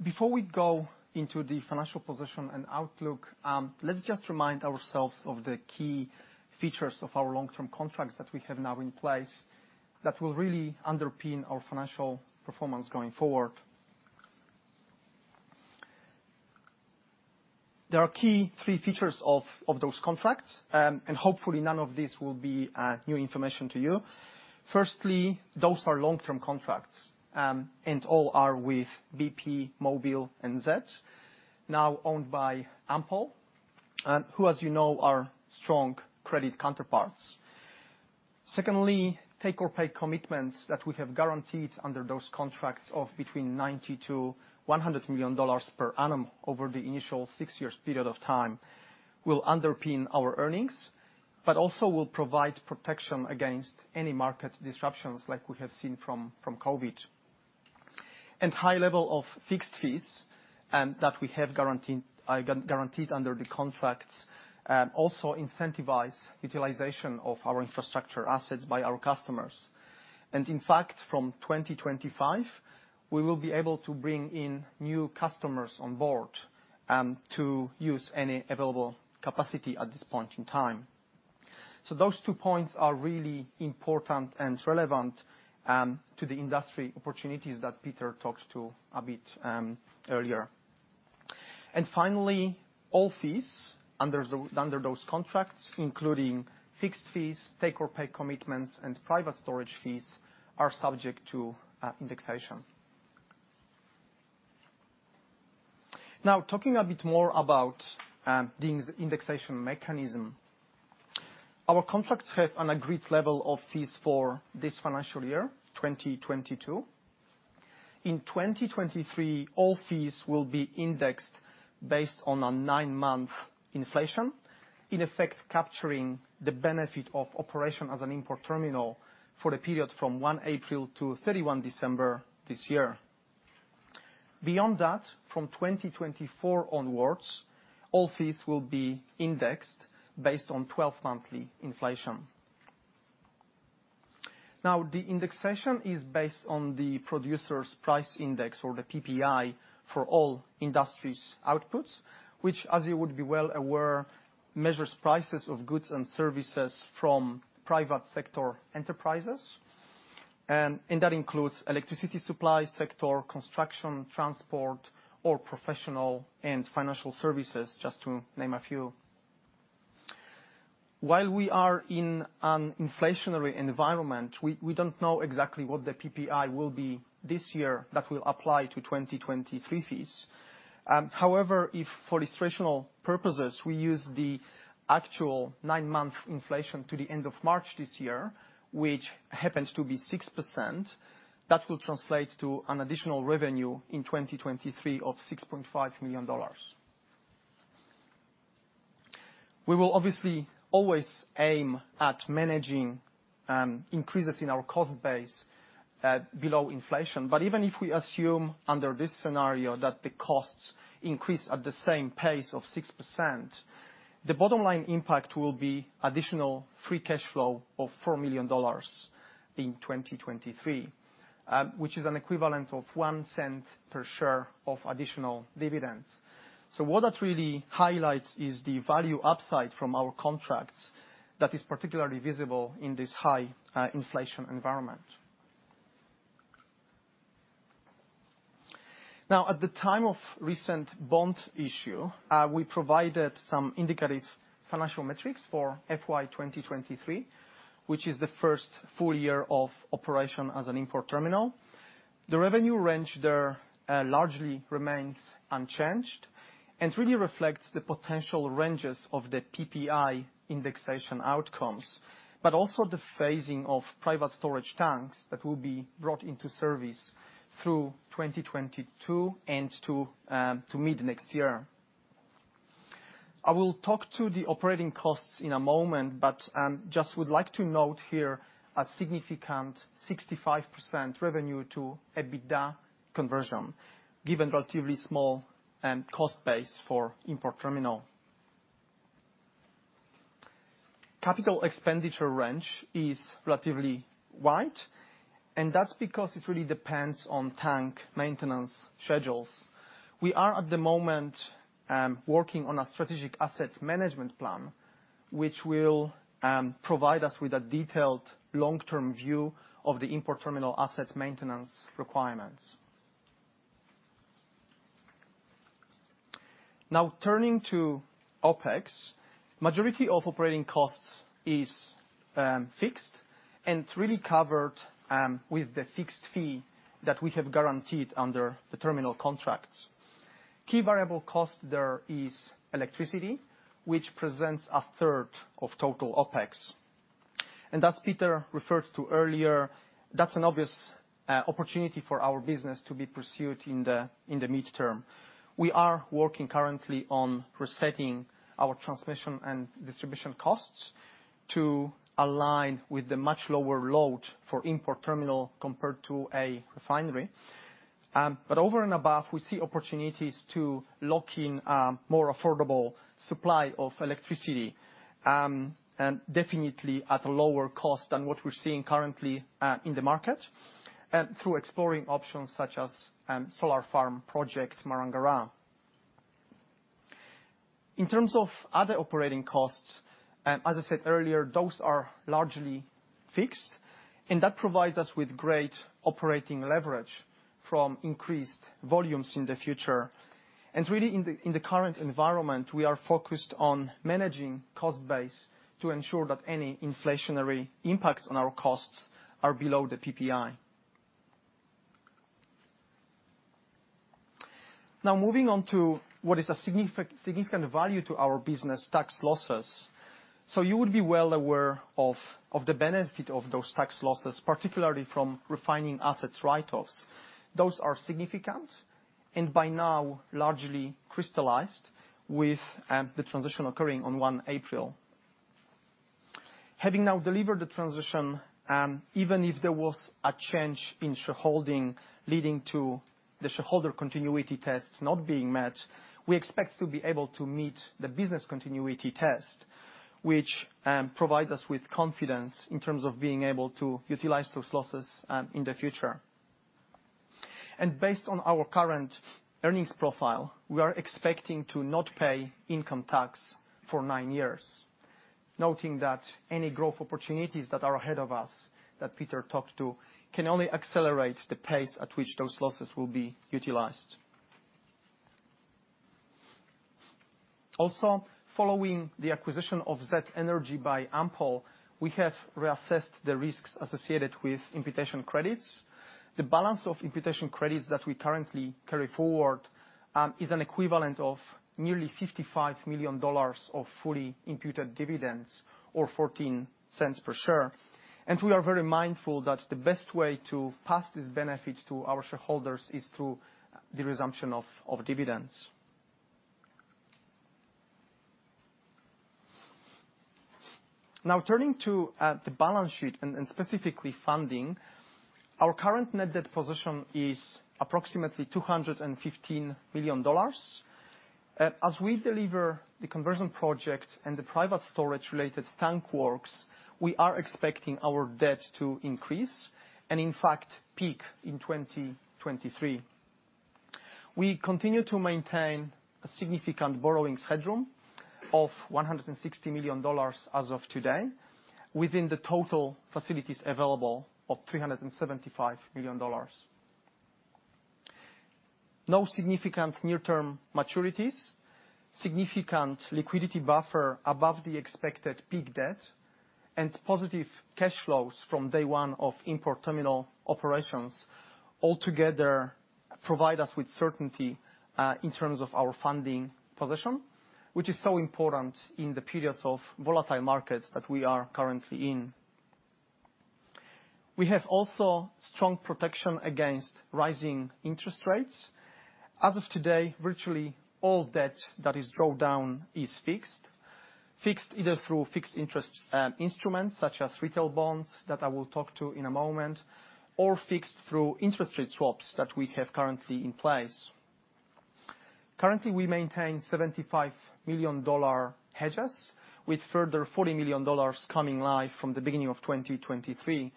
Speaker 8: Before we go into the financial position and outlook, let's just remind ourselves of the key features of our long-term contracts that we have now in place that will really underpin our financial performance going forward. There are three key features of those contracts, and hopefully none of this will be new information to you. Firstly, those are long-term contracts, and all are with BP, Mobil and Z, now owned by Ampol, and who, as you know, are strong credit counterparties. Secondly, take or pay commitments that we have guaranteed under those contracts of between 90 million-100 million dollars per annum over the initial six years period of time will underpin our earnings, but also will provide protection against any market disruptions like we have seen from COVID. High level of fixed fees that we have guaranteed under the contracts also incentivize utilization of our infrastructure assets by our customers. In fact, from 2025, we will be able to bring in new customers on board to use any available capacity at this point in time. Those two points are really important and relevant to the industry opportunities that Peter talked to a bit earlier. Finally, all fees under those contracts, including fixed fees, take or pay commitments, and private storage fees, are subject to indexation. Talking a bit more about the indexation mechanism. Our contracts have an agreed level of fees for this financial year, 2022. In 2023, all fees will be indexed based on nine-month inflation, in effect capturing the benefit of operation as an import terminal for the period from 1 April to 31 December this year. Beyond that, from 2024 onwards, all fees will be indexed based on 12-monthly inflation. The indexation is based on the producers' price index, or the PPI, for all industries' outputs, which as you would be well aware, measures prices of goods and services from private sector enterprises. That includes electricity supply sector, construction, transport, or professional and financial services, just to name a few. While we are in an inflationary environment, we don't know exactly what the PPI will be this year that will apply to 2023 fees. However, if for illustrative purposes, we use the actual nine-month inflation to the end of March this year, which happens to be 6%, that will translate to an additional revenue in 2023 of 6.5 million dollars. We will obviously always aim at managing increases in our cost base at below inflation. Even if we assume under this scenario that the costs increase at the same pace of 6%, the bottom line impact will be additional free cash flow of 4 million dollars in 2023, which is an equivalent of 0.01 per share of additional dividends. What that really highlights is the value upside from our contracts that is particularly visible in this high inflation environment. Now at the time of recent bond issue, we provided some indicative financial metrics for FY 2023, which is the first full year of operation as an import terminal. The revenue range there largely remains unchanged and really reflects the potential ranges of the PPI indexation outcomes, but also the phasing of private storage tanks that will be brought into service through 2022 and to mid-next year. I will talk to the operating costs in a moment, but just would like to note here a significant 65% revenue to EBITDA conversion given relatively small cost base for import terminal. Capital expenditure range is relatively wide, and that's because it really depends on tank maintenance schedules. We are, at the moment, working on a strategic asset management plan, which will provide us with a detailed long-term view of the import terminal asset maintenance requirements. Now turning to OpEx, majority of operating costs is fixed and really covered with the fixed fee that we have guaranteed under the terminal contracts. Key variable cost there is electricity, which presents a third of total OpEx. As Peter referred to earlier, that's an obvious opportunity for our business to be pursued in the midterm. We are working currently on resetting our transmission and distribution costs to align with the much lower load for import terminal compared to a refinery. Over and above, we see opportunities to lock in more affordable supply of electricity, and definitely at a lower cost than what we're seeing currently in the market, through exploring options such as solar farm project Maranga Ra. In terms of other operating costs, as I said earlier, those are largely fixed, and that provides us with great operating leverage from increased volumes in the future. Really, in the current environment, we are focused on managing cost base to ensure that any inflationary impacts on our costs are below the PPI. Now moving on to what is a significant value to our business tax losses. You would be well aware of the benefit of those tax losses, particularly from refining assets write-offs. Those are significant, and by now largely crystallized with the transition occurring on 1 April. Having now delivered the transition, even if there was a change in shareholding leading to the shareholder continuity test not being met, we expect to be able to meet the business continuity test, which provides us with confidence in terms of being able to utilize those losses in the future. Based on our current earnings profile, we are expecting to not pay income tax for nine years. Noting that any growth opportunities that are ahead of us, that Peter talked to, can only accelerate the pace at which those losses will be utilized. Also, following the acquisition of Z Energy by Ampol, we have reassessed the risks associated with imputation credits. The balance of imputation credits that we currently carry forward is an equivalent of nearly 55 million dollars of fully imputed dividends, or 0.14 per share. We are very mindful that the best way to pass this benefit to our shareholders is through the resumption of dividends. Now turning to the balance sheet and specifically funding, our current net debt position is approximately 215 million dollars. As we deliver the conversion project and the private storage related tank works, we are expecting our debt to increase, and in fact, peak in 2023. We continue to maintain a significant borrowings headroom of 160 million dollars as of today within the total facilities available of 375 million dollars. No significant near term maturities. Significant liquidity buffer above the expected peak debt, and positive cash flows from day one of import terminal operations altogether provide us with certainty in terms of our funding position, which is so important in the periods of volatile markets that we are currently in. We have also strong protection against rising interest rates. As of today, virtually all debt that is drawn down is fixed. Fixed either through fixed interest instruments such as retail bonds, that I will talk to in a moment, or fixed through interest rate swaps that we have currently in place. Currently, we maintain 75 million dollar hedges with further 40 million dollars coming live from the beginning of 2023,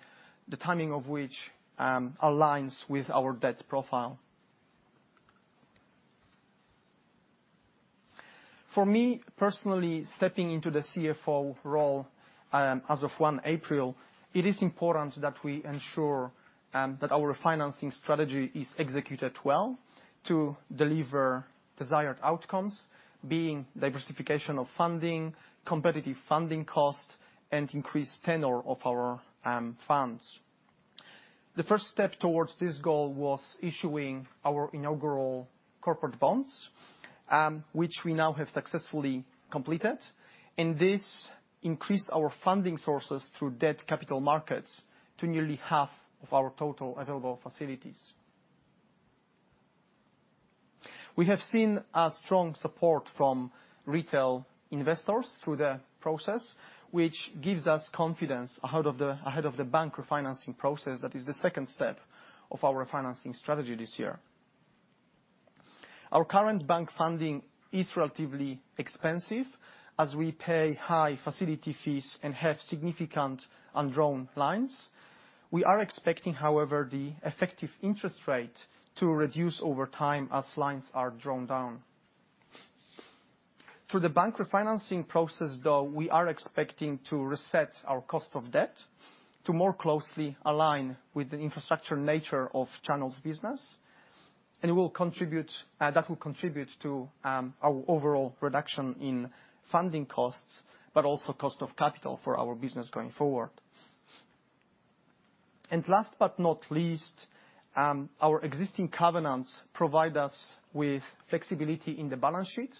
Speaker 8: the timing of which aligns with our debt profile. For me, personally, stepping into the CFO role, as of 1 April, it is important that we ensure that our refinancing strategy is executed well to deliver desired outcomes, being diversification of funding, competitive funding costs, and increased tenor of our funds. The first step towards this goal was issuing our inaugural corporate bonds, which we now have successfully completed, and this increased our funding sources through debt capital markets to nearly half of our total available facilities. We have seen a strong support from retail investors through the process, which gives us confidence ahead of the bank refinancing process that is the second step of our refinancing strategy this year. Our current bank funding is relatively expensive as we pay high facility fees and have significant undrawn lines. We are expecting, however, the effective interest rate to reduce over time as lines are drawn down. Through the bank refinancing process, though, we are expecting to reset our cost of debt to more closely align with the infrastructure nature of Channel's business, and that will contribute to our overall reduction in funding costs, but also cost of capital for our business going forward. Last but not least, our existing covenants provide us with flexibility in the balance sheet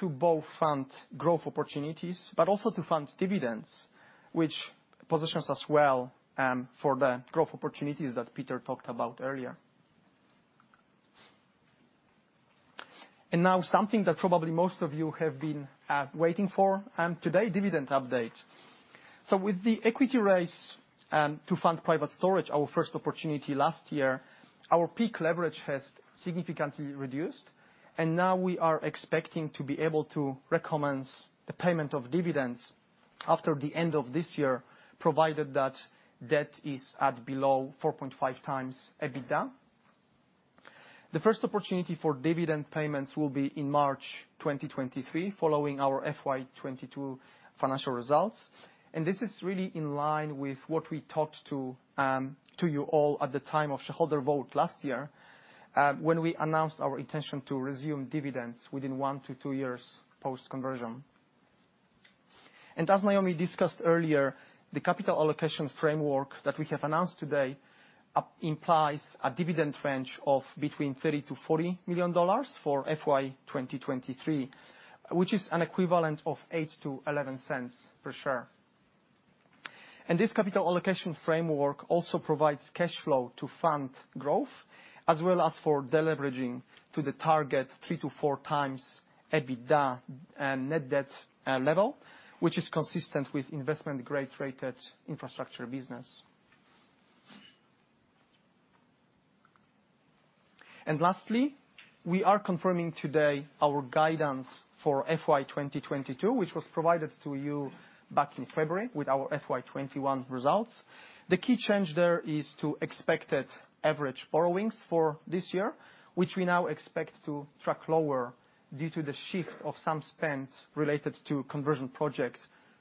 Speaker 8: to both fund growth opportunities, but also to fund dividends, which positions us well for the growth opportunities that Peter talked about earlier. Now something that probably most of you have been waiting for, today dividend update. With the equity raise to fund private storage, our first opportunity last year, our peak leverage has significantly reduced, and now we are expecting to be able to recommence the payment of dividends after the end of this year, provided that debt is at below 4.5x EBITDA. The first opportunity for dividend payments will be in March 2023, following our FY 2022 financial results. This is really in line with what we talked to you all at the time of shareholder vote last year, when we announced our intention to resume dividends within one-two years post conversion. As Naomi discussed earlier, the capital allocation framework that we have announced today implies a dividend range of between 30 million-40 million dollars for FY 2023, which is an equivalent of 0.08-0.11 per share. This capital allocation framework also provides cash flow to fund growth as well as for deleveraging to the target 3x-4x EBITDA and net debt level, which is consistent with investment grade rated infrastructure business. Lastly, we are confirming today our guidance for FY 2022, which was provided to you back in February with our FY 2021 results. The key change there is to expected average borrowings for this year, which we now expect to track lower due to the shift of some spend related to conversion projects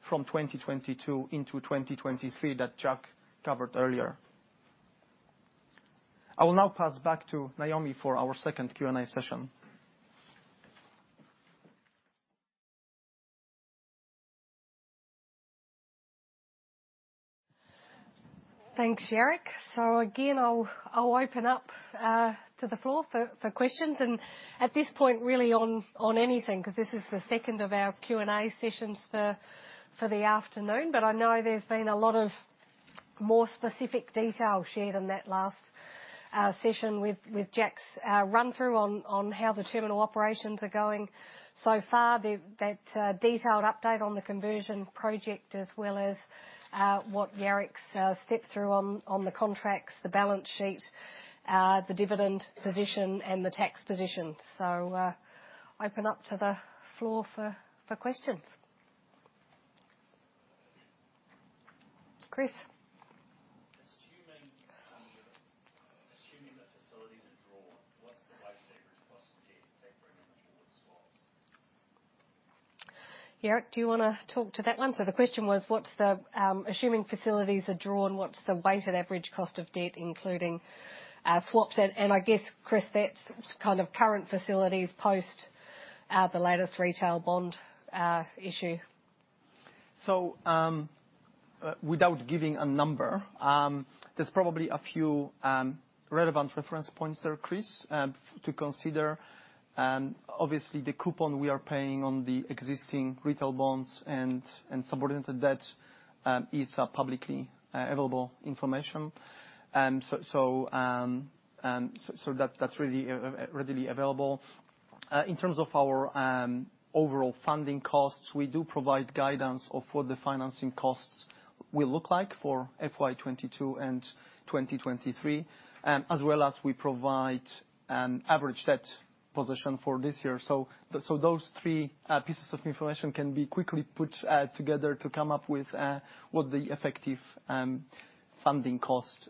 Speaker 8: from 2022 into 2023 that Jack covered earlier. I will now pass back to Naomi for our second Q&A session.
Speaker 1: Thanks, Jarek. Again, I'll open up to the floor for questions and at this point, really on anything, 'cause this is the second of our Q&A sessions for the afternoon. But I know there's been a lot of more specific detail shared in that last session with Jack's run-through on how the terminal operations are going so far, that detailed update on the conversion project, as well as what Jarek's stepped through on the contracts, the balance sheet, the dividend position and the tax position. Open up to the floor for questions. Chris?
Speaker 9: Assuming the facilities are drawn, what's the weighted average cost of debt including swaps?
Speaker 1: Jarek, do you wanna talk to that one? The question was, what's the, assuming facilities are drawn, what's the weighted average cost of debt including, swaps? I guess, Chris, that's kind of current facilities post the latest retail bond issue.
Speaker 8: Without giving a number, there's probably a few relevant reference points there, Chris, to consider. Obviously, the coupon we are paying on the existing retail bonds and subordinated debt is publicly available information. That's really readily available. In terms of our overall funding costs, we do provide guidance of what the financing costs will look like for FY 2022 and 2023, as well as we provide an average debt position for this year. Those three pieces of information can be quickly put together to come up with what the effective funding cost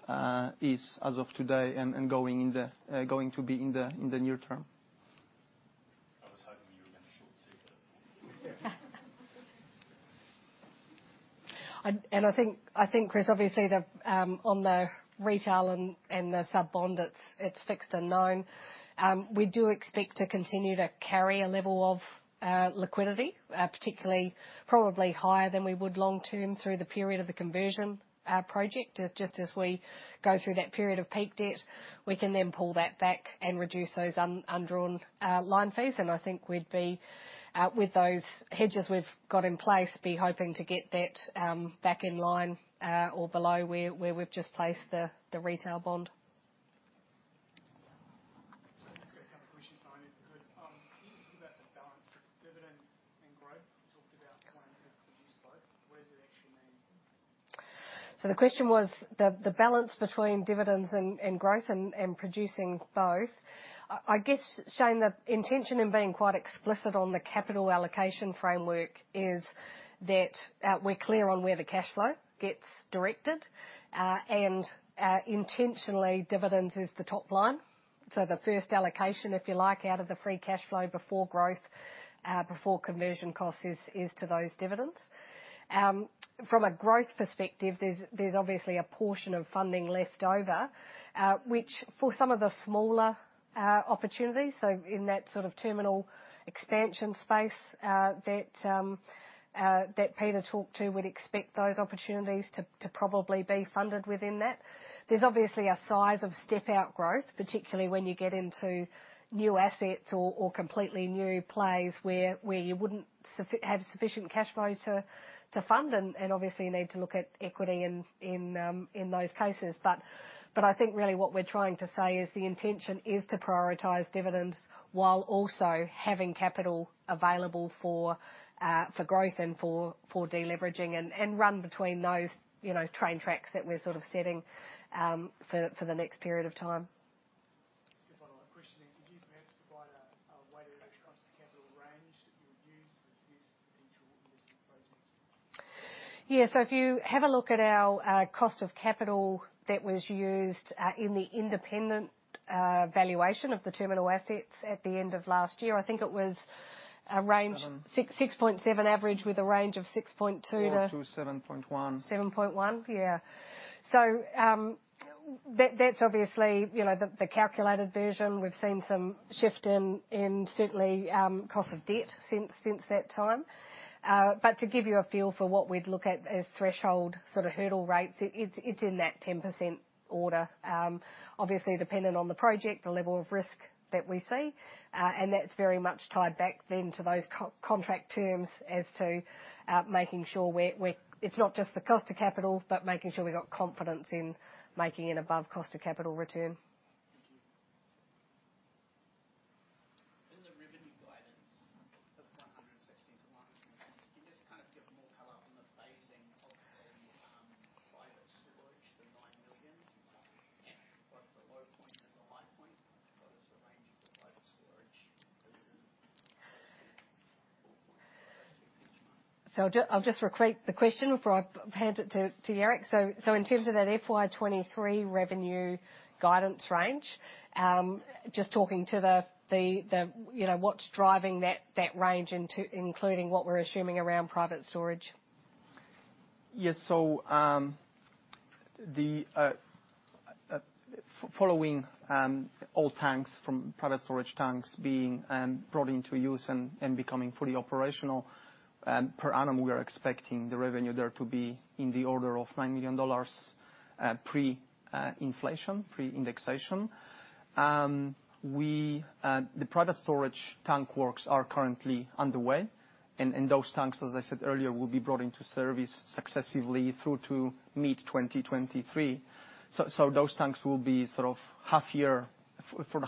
Speaker 8: is as of today and going to be in the near term.
Speaker 9: I was hoping.
Speaker 1: I think, Chris, obviously the one on the retail and the sub bond, it's fixed and known. We do expect to continue to carry a level of liquidity, particularly probably higher than we would long term through the period of the conversion project. Just as we go through that period of peak debt, we can then pull that back and reduce those undrawn line fees. I think we'd be with those hedges we've got in place hoping to get that back in line or below where we've just placed the retail bond.
Speaker 10: I've just got a couple questions, Naomi. Can you just give us a balance of dividend and growth? You talked about wanting to produce both. Where does it actually mean?
Speaker 1: The question was the balance between dividends and growth and producing both. I guess showing the intention and being quite explicit on the capital allocation framework is that we're clear on where the cash flow gets directed. Intentionally dividends is the top line. The first allocation, if you like, out of the free cash flow before growth, before conversion cost is to those dividends. From a growth perspective, there's obviously a portion of funding left over, which for some of the smaller opportunities, so in that sort of terminal expansion space, that Peter talked to, we'd expect those opportunities to probably be funded within that. There's obviously a size of step-out growth, particularly when you get into new assets or completely new plays where you wouldn't have sufficient cash flow to fund and obviously you need to look at equity in those cases. I think really what we're trying to say is the intention is to prioritize dividends while also having capital available for growth and for deleveraging and run between those, you know, train tracks that we're sort of setting for the next period of time.
Speaker 10: Just a follow-up question is, could you perhaps provide a weighted average cost of capital range?
Speaker 1: If you have a look at our cost of capital that was used in the independent valuation of the terminal assets at the end of last year, I think it was a range.
Speaker 8: Seven.
Speaker 1: 6.7% average with a range of 6.2% to-
Speaker 8: Four through 7.1%.
Speaker 1: 7.1%. Yeah. That's obviously, you know, the calculated version. We've seen some shift in certainly cost of debt since that time. But to give you a feel for what we'd look at as threshold sort of hurdle rates, it's in that 10% order. Obviously dependent on the project, the level of risk that we see. That's very much tied back then to those co-contract terms as to making sure it's not just the cost of capital, but making sure we got confidence in making an above cost of capital return.
Speaker 11: In the revenue guidance of NZD 116 million-NZD 120 million, can you just kind of give more color on the phasing of the private storage, the NZD 9 million, and what the low point and the high point, what is the range of the private storage?
Speaker 1: I'll just recreate the question before I hand it to Jarek. In terms of that FY 2023 revenue guidance range, just talking to the you know what's driving that range, including what we're assuming around private storage.
Speaker 8: Yes. Following all tanks from private storage tanks being brought into use and becoming fully operational, per annum, we are expecting the revenue there to be in the order of 9 million dollars, pre-inflation, pre-indexation. The private storage tank works are currently underway. Those tanks, as I said earlier, will be brought into service successively through to mid-2023. Those tanks will be sort of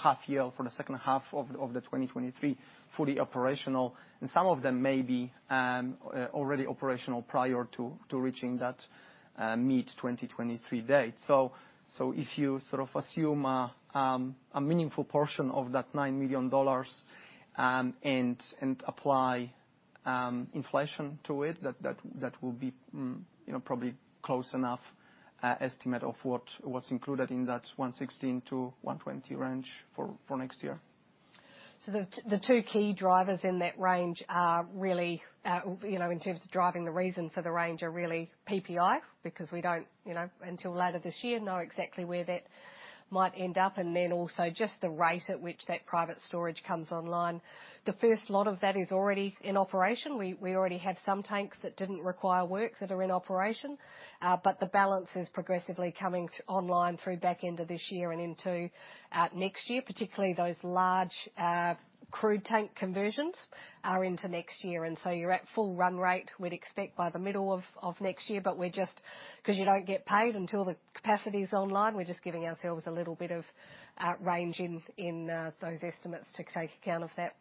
Speaker 8: half year for the second half of the 2023, fully operational, and some of them may be already operational prior to reaching that mid-2023 date. If you sort of assume a meaningful portion of that 9 million dollars and apply inflation to it, that will be, you know, probably close enough estimate of what's included in that 116-120 range for next year.
Speaker 1: The two key drivers in that range are really, you know, in terms of driving the reason for the range are really PPI, because we don't, you know, until later this year, know exactly where that might end up, and then also just the rate at which that private storage comes online. The first lot of that is already in operation. We already had some tanks that didn't require work that are in operation. But the balance is progressively coming online through back end of this year and into next year. Particularly those large crude tank conversions are into next year. You're at full run rate, we'd expect by the middle of next year, but we're just 'cause you don't get paid until the capacity is online. We're just giving ourselves a little bit of range in those estimates to take account of that.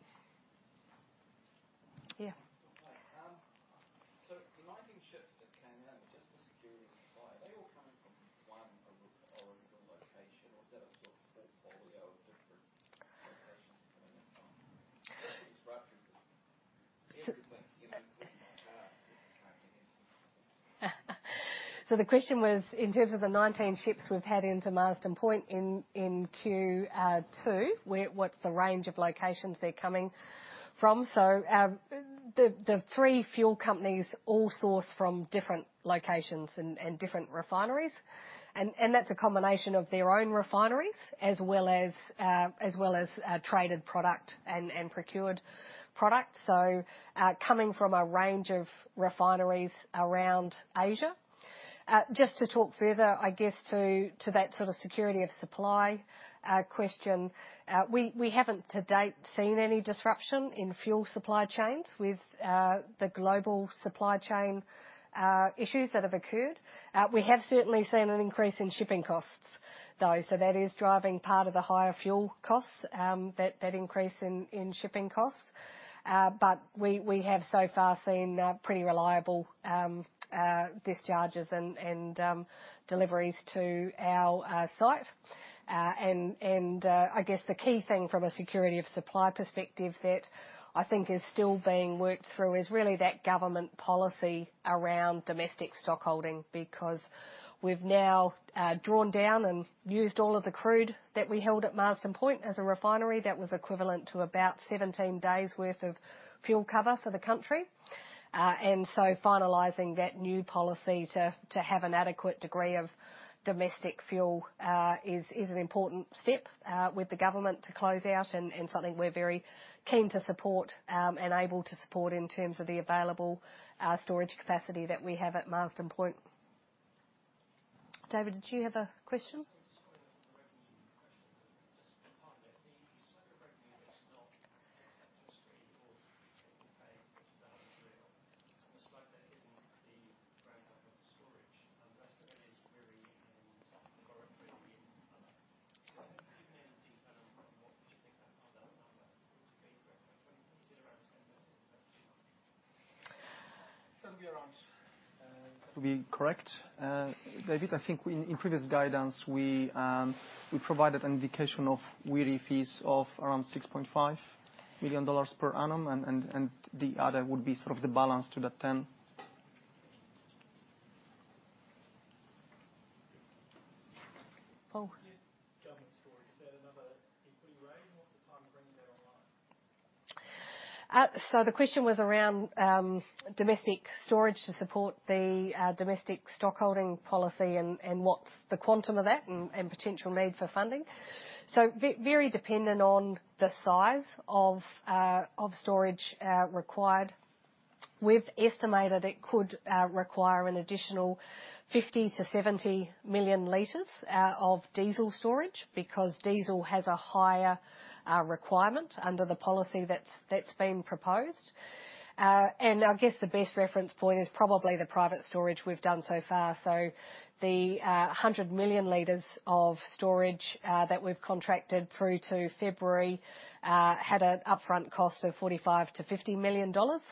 Speaker 1: Yeah.
Speaker 11: The 19 ships that came out, just for security of supply, are they all coming from one original location or is that a sort of full portfolio of?
Speaker 1: The question was, in terms of the 19 ships we've had into Marsden Point in Q2, what's the range of locations they're coming from? The three fuel companies all source from different locations and different refineries. That's a combination of their own refineries as well as traded product and procured product. Coming from a range of refineries around Asia. Just to talk further, I guess, to that sort of security of supply question. We haven't to date seen any disruption in fuel supply chains with the global supply chain issues that have occurred. We have certainly seen an increase in shipping costs, though. That is driving part of the higher fuel costs, that increase in shipping costs. We have so far seen pretty reliable discharges and deliveries to our site. I guess the key thing from a security of supply perspective that I think is still being worked through is really that government policy around domestic stock holding, because we've now drawn down and used all of the crude that we held at Marsden Point as a refinery that was equivalent to about 17 days' worth of fuel cover for the country. Finalizing that new policy to have an adequate degree of domestic fuel is an important step with the government to close out and something we're very keen to support and able to support in terms of the available storage capacity that we have at Marsden Point. David, did you have a question?
Speaker 12: that's not accepted straight or paying for the value of the slip that's in the ground up of storage, that's got to be query and currently in other. Can you give me any detail on what you think that other number would be for 2020?
Speaker 8: That'll be around, to be correct. David, I think in previous guidance, we provided an indication of Wiri fees of around 6.5 million dollars per annum. The other would be sort of the balance to the 10.
Speaker 1: Paul.
Speaker 13: You've done the storage. Is that another equal rate? What's the timing of bringing that online?
Speaker 1: The question was around domestic storage to support the domestic stock holding policy and what's the quantum of that and potential need for funding. Very dependent on the size of storage required. We've estimated it could require an additional 50 million L-70 million L of diesel storage because diesel has a higher requirement under the policy that's been proposed. I guess the best reference point is probably the private storage we've done so far. The 100 million L of storage that we've contracted through to February had an upfront cost of 45 million-50 million dollars.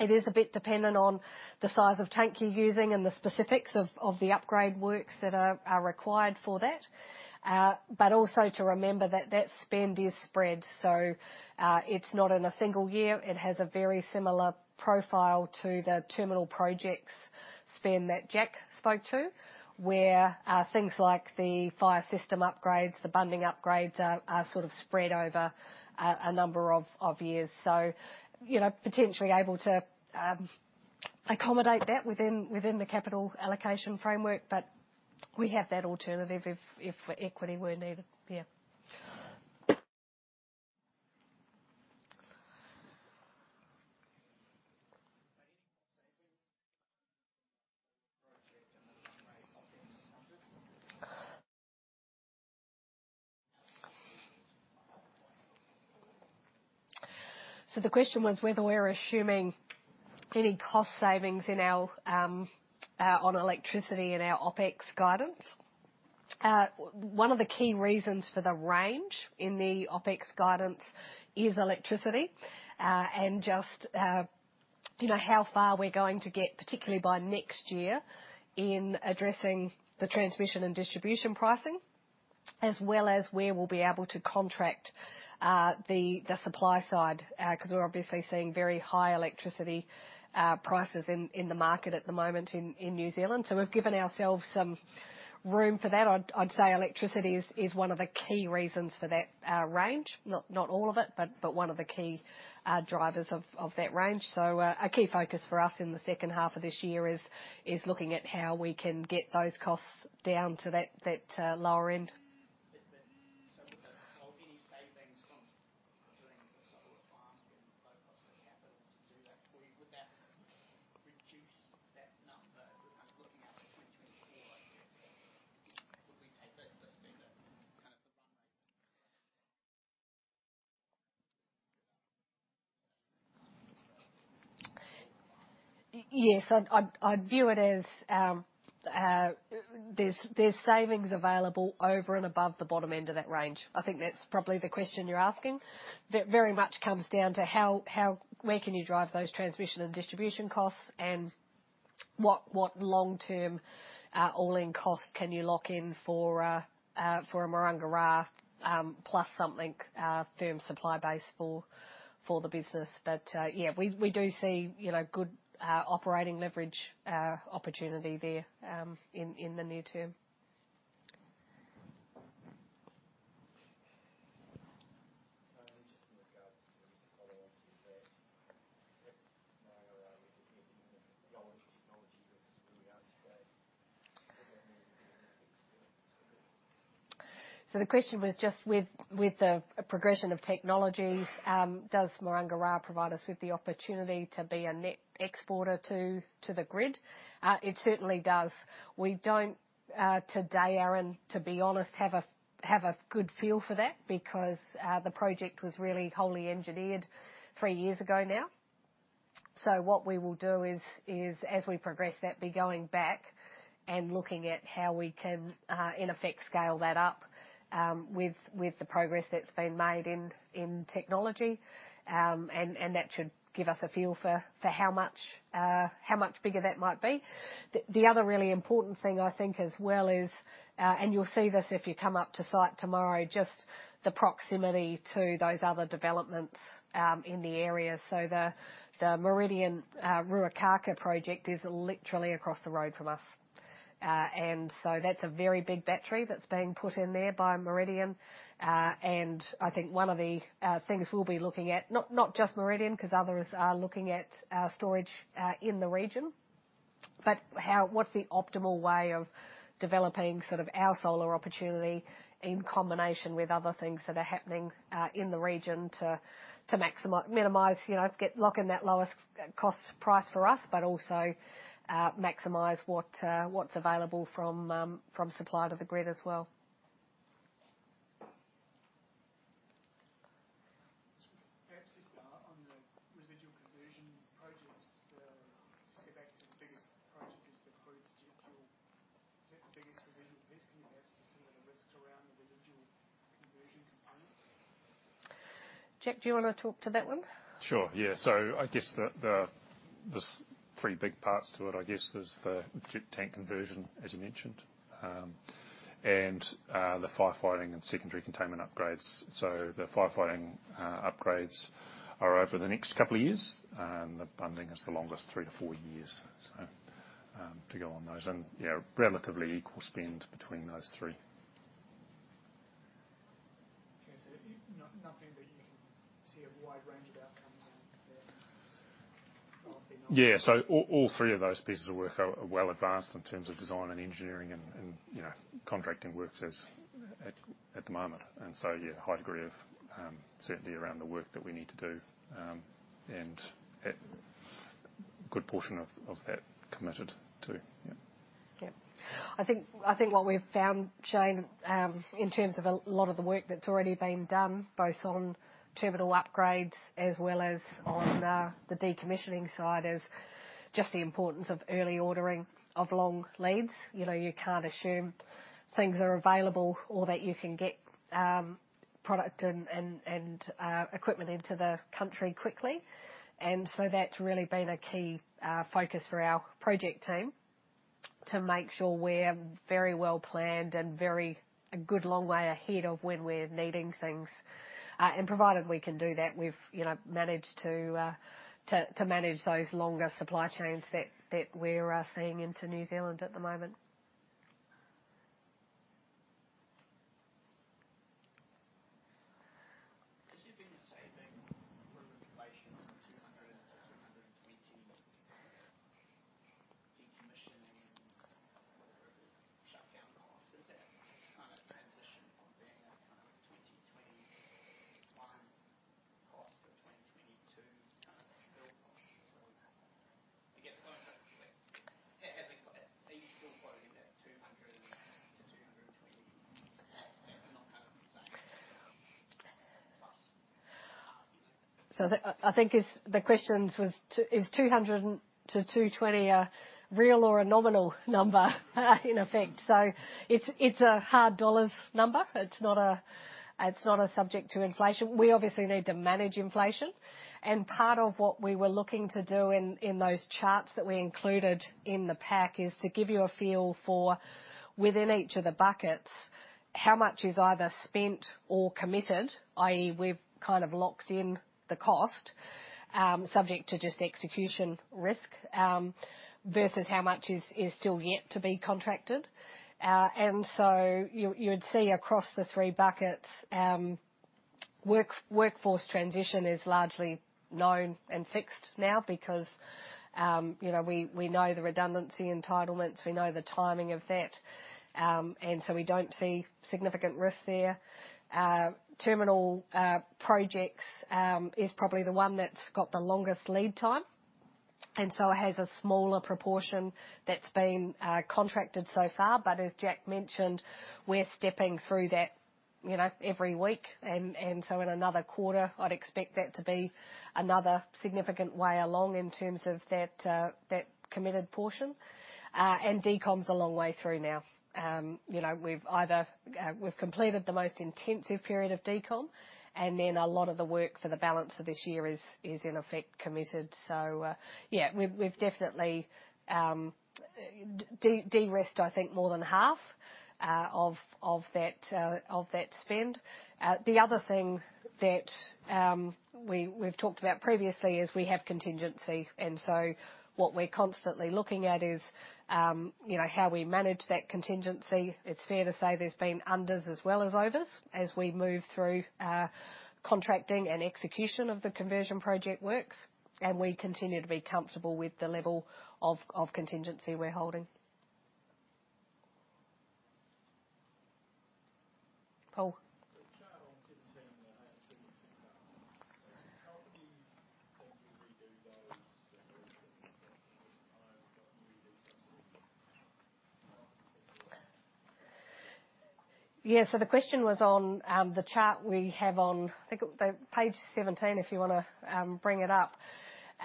Speaker 1: It is a bit dependent on the size of tank you're using and the specifics of the upgrade works that are required for that. Also to remember that spend is spread. It's not in a single year. It has a very similar profile to the terminal projects spend that Jack spoke to, where things like the fire system upgrades, the bunding upgrades are sort of spread over a number of years. You know, potentially able to accommodate that within the capital allocation framework. We have that alternative if equity were needed. Yeah.
Speaker 14: Are you making any savings from the project and the grade OpEx guidance?
Speaker 1: The question was whether we're assuming any cost savings on electricity and our OpEx guidance. One of the key reasons for the range in the OpEx guidance is electricity. You know, how far we're going to get, particularly by next year, in addressing the transmission and distribution pricing, as well as where we'll be able to contract the supply side. Because we're obviously seeing very high electricity prices in the market at the moment in New Zealand. We've given ourselves some room for that. I'd say electricity is one of the key reasons for that range. Not all of it, but one of the key drivers of that range. A key focus for us in the second half of this year is looking at how we can get those costs down to that lower end.
Speaker 14: Would there be any savings from doing the solar farm and low cost of capital to do that, or would that reduce that number as looking out to 2024, I guess? Would we take this to spend that, kind of the runway?
Speaker 1: Yes. I'd view it as, there's savings available over and above the bottom end of that range. I think that's probably the question you're asking. That very much comes down to how, where can you drive those transmission and distribution costs and what long-term, all-in cost can you lock in for a Maranga Ra, plus something firm supply base for the business. Yeah, we do see, you know, good operating leverage opportunity there, in the near term.
Speaker 15: Just in regards to follow on to that. With Maranga Ra, with the older technology versus where we are today, does that mean?
Speaker 1: The question was just with the progression of technology, does Maranga Ra provide us with the opportunity to be a net exporter to the grid? It certainly does. We don't today, Aaron, to be honest, have a good feel for that because the project was really wholly engineered three years ago now. What we will do is as we progress that, be going back and looking at how we can in effect scale that up with the progress that's been made in technology. That should give us a feel for how much bigger that might be. The other really important thing I think as well is, and you'll see this if you come up to site tomorrow, just the proximity to those other developments in the area. The Meridian Ruakākā project is literally across the road from us. That's a very big battery that's being put in there by Meridian. I think one of the things we'll be looking at, not just Meridian, because others are looking at storage in the region, but what's the optimal way of developing sort of our solar opportunity in combination with other things that are happening in the region to minimize, you know, get, lock in that lowest cost price for us, but also maximize what's available from supply to the grid as well.
Speaker 15: Perhaps just on the residual conversion projects, you said that's the biggest project is the jet fuel. Is that the biggest residual risk? Can you perhaps just give me the risk around the residual conversion component?
Speaker 1: Jack, do you wanna talk to that one?
Speaker 7: Sure, yeah. I guess there's three big parts to it. I guess there's the jet tank conversion, as you mentioned, and the firefighting and secondary containment upgrades. The firefighting upgrades are over the next couple of years, and the bunding is the longest, three to four years. To go on those and, you know, relatively equal spend between those three.
Speaker 15: Okay. Nothing that you can see a wide range of outcomes in there. Broadly normal.
Speaker 7: Yeah. All three of those pieces of work are well advanced in terms of design and engineering and you know contracting works as at the moment. Yeah, high degree of certainty around the work that we need to do. At good portion of that committed too. Yeah.
Speaker 1: Yeah. I think what we've found, Shane, in terms of a lot of the work that's already been done, both on terminal upgrades as well as on the decommissioning side, is just the importance of early ordering of long leads. You know, you can't assume things are available or that you can get product and equipment into the country quickly. That's really been a key focus for our project team to make sure we're very well-planned and very a good long way ahead of when we're needing things. Provided we can do that, we've, you know, managed to manage those longer supply chains that we're seeing into New Zealand at the moment.
Speaker 15: Has there been a saving from inflation of NZD 200 million-NZD 220 million decommissioning or shutdown costs? Is that transition from being a 2021 cost to a 2022 kind of bill? I guess what I'm trying to get at, has it got it? Are you still quoting at NZD 200 million-NZD 220 million kind of saving plus?
Speaker 1: I think if the question was, is 200 million-220 million a real or a nominal number in effect? It's a hard dollars number. It's not a subject to inflation. We obviously need to manage inflation, and part of what we were looking to do in those charts that we included in the pack is to give you a feel for, within each of the buckets, how much is either spent or committed, i.e. We've kind of locked in the cost, subject to just execution risk, versus how much is still yet to be contracted. You would see across the three buckets, workforce transition is largely known and fixed now because, you know, we know the redundancy entitlements, we know the timing of that. We don't see significant risk there. Terminal projects is probably the one that's got the longest lead time, and so it has a smaller proportion that's been contracted so far. As Jack mentioned, we're stepping through that, you know, every week. In another quarter, I'd expect that to be another significant way along in terms of that committed portion. Decom's a long way through now. You know, we've completed the most intensive period of decom, and then a lot of the work for the balance of this year is in effect committed. Yeah, we've definitely de-risked, I think more than half of that spend. The other thing that we've talked about previously is we have contingency, and so what we're constantly looking at is you know, how we manage that contingency. It's fair to say there's been unders as well as overs as we move through contracting and execution of the conversion project works, and we continue to be comfortable with the level of contingency we're holding. Paul.
Speaker 13: The chart on page 17, how do you think you'll redo those?
Speaker 1: Yeah. The question was on the chart we have on, I think the page 17 if you wanna bring it up.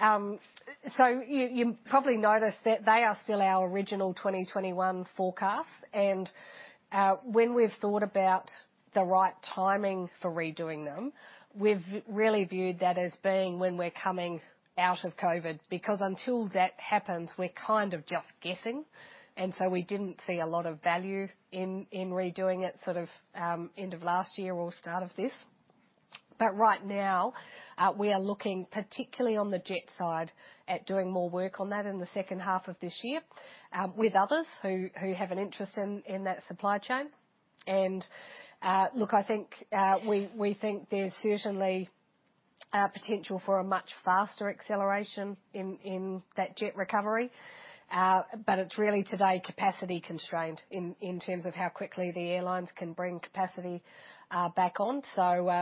Speaker 1: You probably noticed that they are still our original 2021 forecast. When we've thought about the right timing for redoing them, we've really viewed that as being when we're coming out of COVID, because until that happens, we're kind of just guessing. We didn't see a lot of value in redoing it sort of end of last year or start of this. Right now, we are looking particularly on the jet side at doing more work on that in the second half of this year with others who have an interest in that supply chain. I think we think there's certainly potential for a much faster acceleration in that jet recovery. It's really today's capacity constraint in terms of how quickly the airlines can bring capacity back on.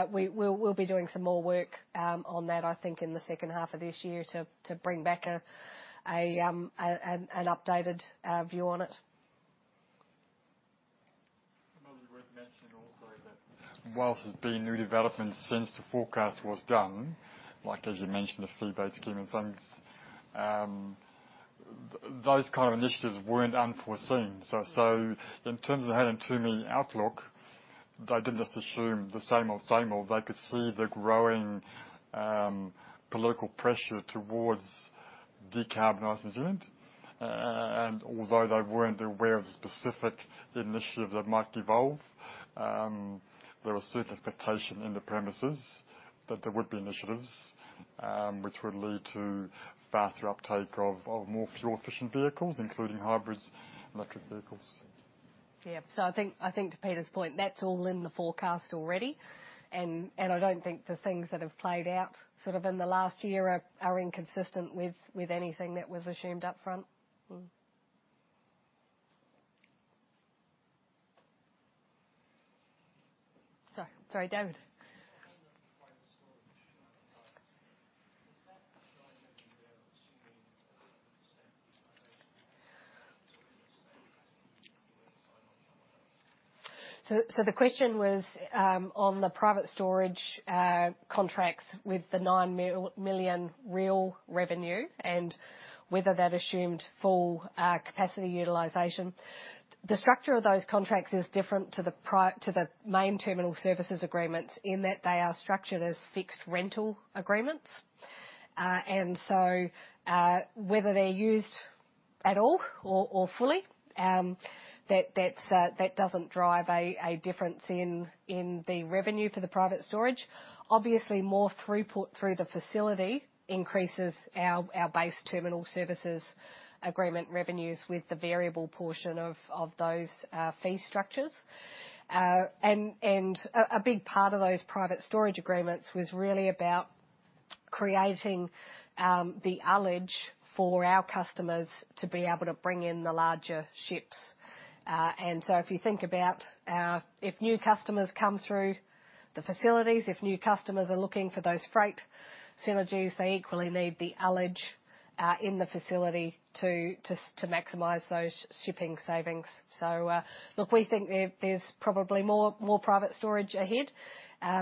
Speaker 1: We'll be doing some more work on that. I think in the second half of this year to bring back an updated view on it.
Speaker 2: It might be worth mentioning also that while there's been new developments since the forecast was done, like as you mentioned, the feebate scheme and things, those kind of initiatives weren't unforeseen. In terms of having too rosy an outlook, they didn't just assume the same old, same old. They could see the growing political pressure towards decarbonizing New Zealand. Although they weren't aware of the specific initiatives that might evolve, there was a certain expectation in the premises that there would be initiatives, which would lead to faster uptake of more fuel-efficient vehicles, including hybrids and electric vehicles.
Speaker 1: Yeah. I think to Peter's point, that's all in the forecast already. I don't think the things that have played out sort of in the last year are inconsistent with anything that was assumed up front. Sorry, David. The question was on the private storage contracts with the 9 million real revenue and whether that assumed full capacity utilization. The structure of those contracts is different to the main terminal services agreements in that they are structured as fixed rental agreements. Whether they're used at all or fully, that doesn't drive a difference in the revenue for the private storage. Obviously, more throughput through the facility increases our base terminal services agreement revenues with the variable portion of those fee structures. A big part of those private storage agreements was really about creating the ullage for our customers to be able to bring in the larger ships. If new customers come through the facilities, if new customers are looking for those freight synergies, they equally need the ullage in the facility to maximize those shipping savings. Look, we think there's probably more private storage ahead,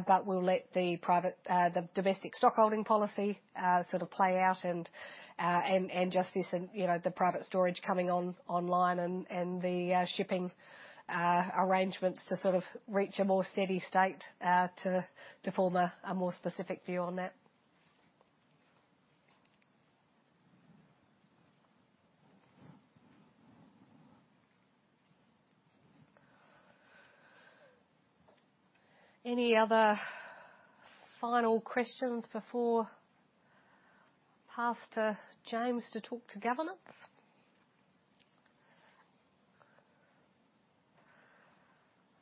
Speaker 1: but we'll let the private, the domestic stock holding policy sort of play out and just this and, you know, the private storage coming online and the shipping arrangements to sort of reach a more steady state, to form a more specific view on that. Any other final questions before pass to James to talk to governance?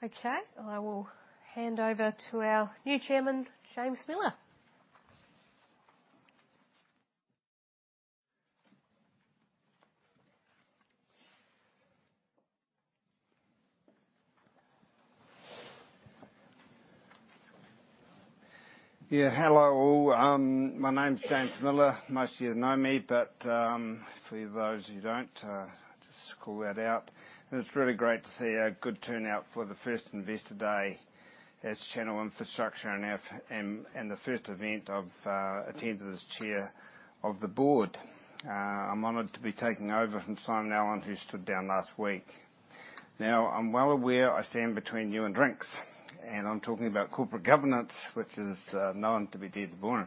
Speaker 1: Okay, I will hand over to our new chairman, James Miller.
Speaker 16: Yeah. Hello all. My name's James Miller. Most of you know me, but for those of you who don't, just call that out. It's really great to see a good turnout for the first Investor Day as Channel Infrastructure and the first event I've attended as chair of the board. I'm honored to be taking over from Simon Allen, who stood down last week. Now, I'm well aware I stand between you and drinks, and I'm talking about corporate governance, which is known to be dead boring.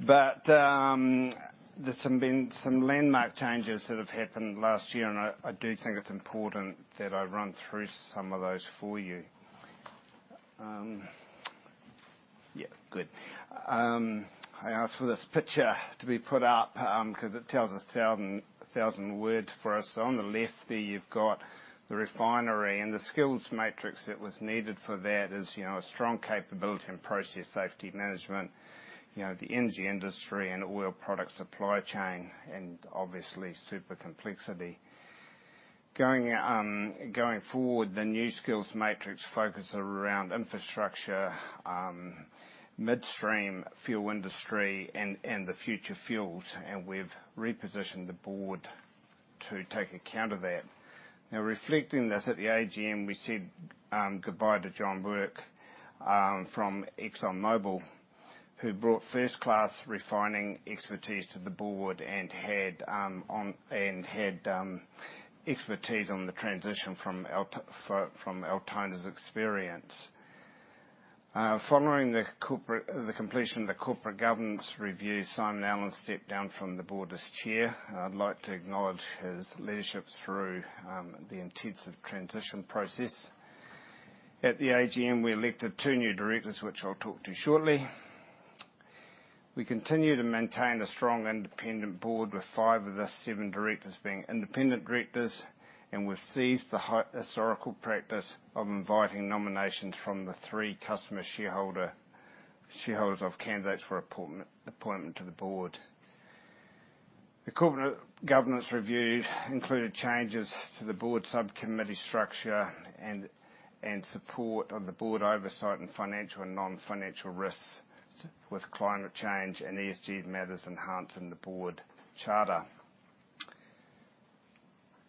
Speaker 16: There's some landmark changes that have happened last year, and I do think it's important that I run through some of those for you. Yeah, good. I asked for this picture to be put up, 'cause it tells a thousand words for us. On the left there you've got the refinery and the skills matrix that was needed for that is, you know, a strong capability in process safety management, you know, the energy industry and oil product supply chain and obviously super complexity. Going forward, the new skills matrix focus around infrastructure, midstream fuel industry and the future fuels, and we've repositioned the board to take account of that. Now, reflecting this at the AGM, we said goodbye to John Bourke from ExxonMobil, who brought first-class refining expertise to the board and had expertise on the transition from Alton's experience. Following the completion of the corporate governance review, Simon Allen stepped down from the board as chair. I'd like to acknowledge his leadership through the intensive transition process. At the AGM, we elected two new directors, which I'll talk to shortly. We continue to maintain a strong independent board with five of the seven directors being independent directors, and we've ceased the historical practice of inviting nominations from the three customer shareholders of candidates for appointment to the board. The corporate governance review included changes to the board subcommittee structure and support of the board oversight and financial and non-financial risks with climate change and ESG matters enhancing the board charter.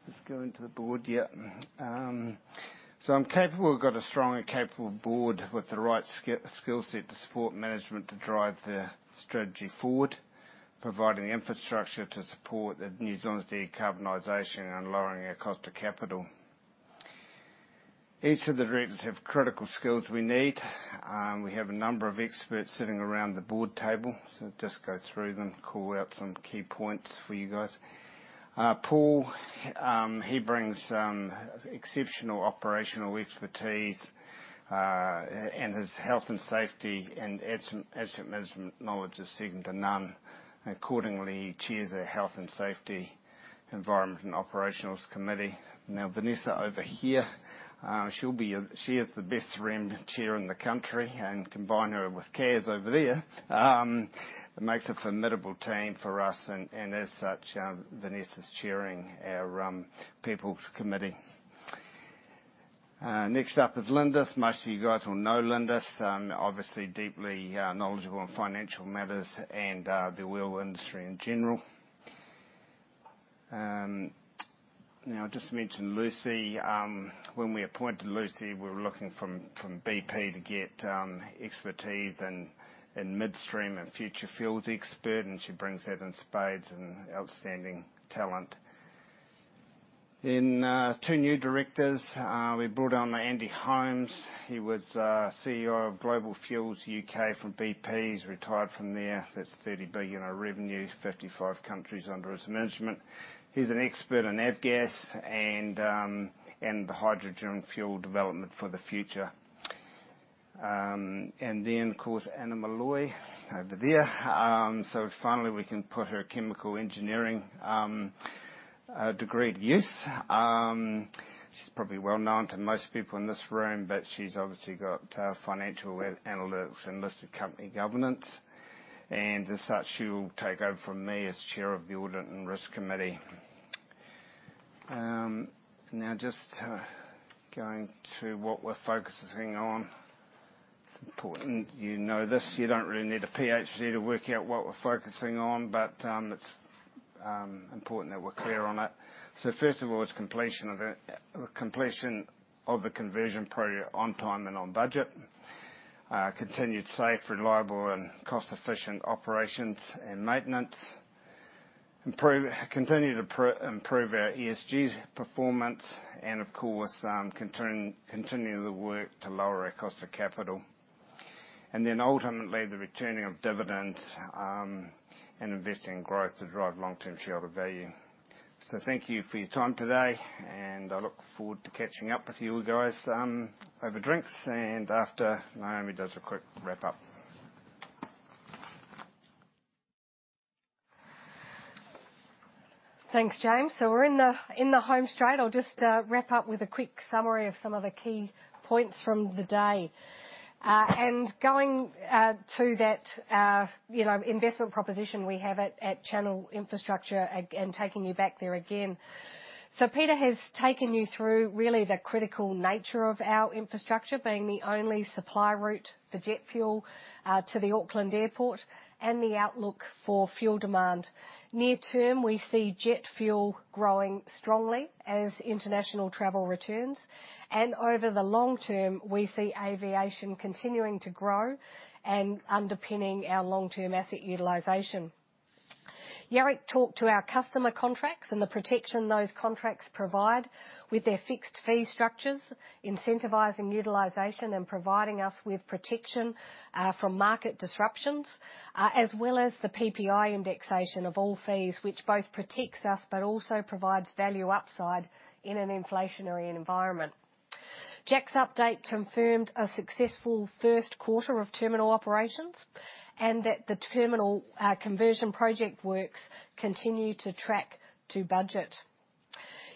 Speaker 16: Let's go into the board. So I'm capable. We've got a strong and capable board with the right skill set to support management to drive the strategy forward, providing the infrastructure to support New Zealand's decarbonization and lowering our cost to capital. Each of the directors have critical skills we need. We have a number of experts sitting around the board table, so just go through them, call out some key points for you guys. Paul, he brings exceptional operational expertise, and his health and safety and asset management knowledge is second to none. Accordingly, he chairs our Health and Safety, Environment and Operations Committee. Now, Vanessa over here, she is the best REM chair in the country and combine her with Caz over there, makes a formidable team for us. As such, Vanessa's chairing our People's Committee. Next up is Lindis. Most of you guys will know Lindis, obviously deeply knowledgeable in financial matters and the oil industry in general. Now just to mention Lucy. When we appointed Lucy, we were looking from BP to get expertise in midstream and future fuels expertise, and she brings that in spades and outstanding talent. Two new directors. We brought on Andy Holmes. He was CEO of Global Fuels UK from BP. He's retired from there. That's 30 billion in revenue, 55 countries under his management. He's an expert in avgas and the hydrogen fuel development for the future. Of course, Anna Molloy over there. Finally we can put her chemical engineering degree to use. She's probably well-known to most people in this room, but she's obviously got financial analytics and listed company governance. As such, she will take over from me as chair of the Audit and Risk Committee. Now just going to what we're focusing on. It's important you know this. You don't really need a PhD to work out what we're focusing on, but it's important that we're clear on it. First of all, it's completion of the conversion project on time and on budget. Continued safe, reliable and cost-efficient operations and maintenance. Continue to improve our ESG performance and of course, continuing the work to lower our cost of capital. Then ultimately, the returning of dividends and investing in growth to drive long-term shareholder value. Thank you for your time today, and I look forward to catching up with you guys over drinks and after Naomi does a quick wrap up.
Speaker 1: Thanks, James. We're in the home straight. I'll just wrap up with a quick summary of some of the key points from the day. And going to that, you know, investment proposition we have at Channel Infrastructure again, taking you back there again. Peter has taken you through really the critical nature of our infrastructure, being the only supply route for jet fuel to the Auckland Airport and the outlook for fuel demand. Near term, we see jet fuel growing strongly as international travel returns, and over the long term, we see aviation continuing to grow and underpinning our long-term asset utilization. Jarek talked to our customer contracts and the protection those contracts provide with their fixed fee structures, incentivizing utilization, and providing us with protection from market disruptions as well as the PPI indexation of all fees, which both protects us but also provides value upside in an inflationary environment. Jack's update confirmed a successful first quarter of terminal operations and that the terminal conversion project works continue to track to budget.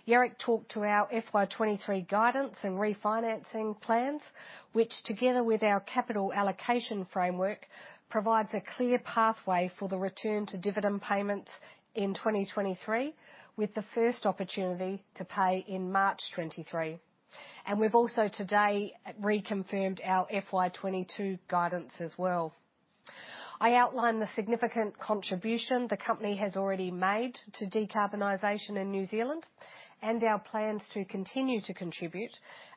Speaker 1: Jarek talked to our FY 2023 guidance and refinancing plans, which together with our capital allocation framework, provides a clear pathway for the return to dividend payments in 2023, with the first opportunity to pay in March 2023. We've also today reconfirmed our FY 2022 guidance as well. I outlined the significant contribution the company has already made to decarbonization in New Zealand, and our plans to continue to contribute,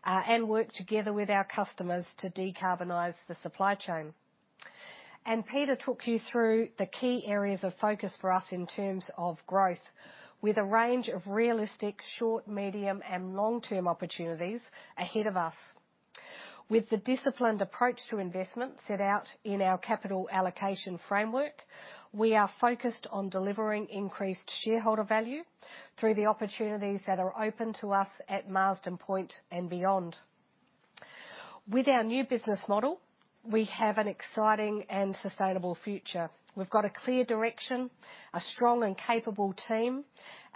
Speaker 1: and work together with our customers to decarbonize the supply chain. Peter took you through the key areas of focus for us in terms of growth, with a range of realistic short, medium, and long-term opportunities ahead of us. With the disciplined approach to investment set out in our capital allocation framework, we are focused on delivering increased shareholder value through the opportunities that are open to us at Marsden Point and beyond. With our new business model, we have an exciting and sustainable future. We've got a clear direction, a strong and capable team,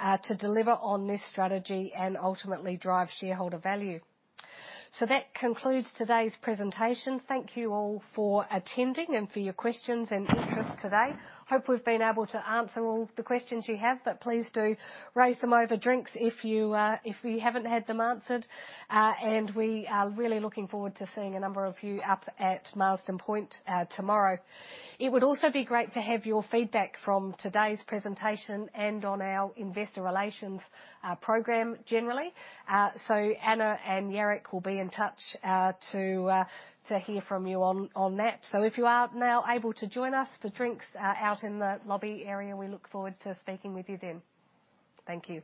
Speaker 1: to deliver on this strategy and ultimately drive shareholder value. That concludes today's presentation. Thank you all for attending and for your questions and interest today. Hope we've been able to answer all the questions you have, but please do raise them over drinks if we haven't had them answered. We are really looking forward to seeing a number of you up at Marsden Point tomorrow. It would also be great to have your feedback from today's presentation and on our investor relations program generally. Anna and Jarek will be in touch to hear from you on that. If you are now able to join us for drinks out in the lobby area, we look forward to speaking with you then. Thank you.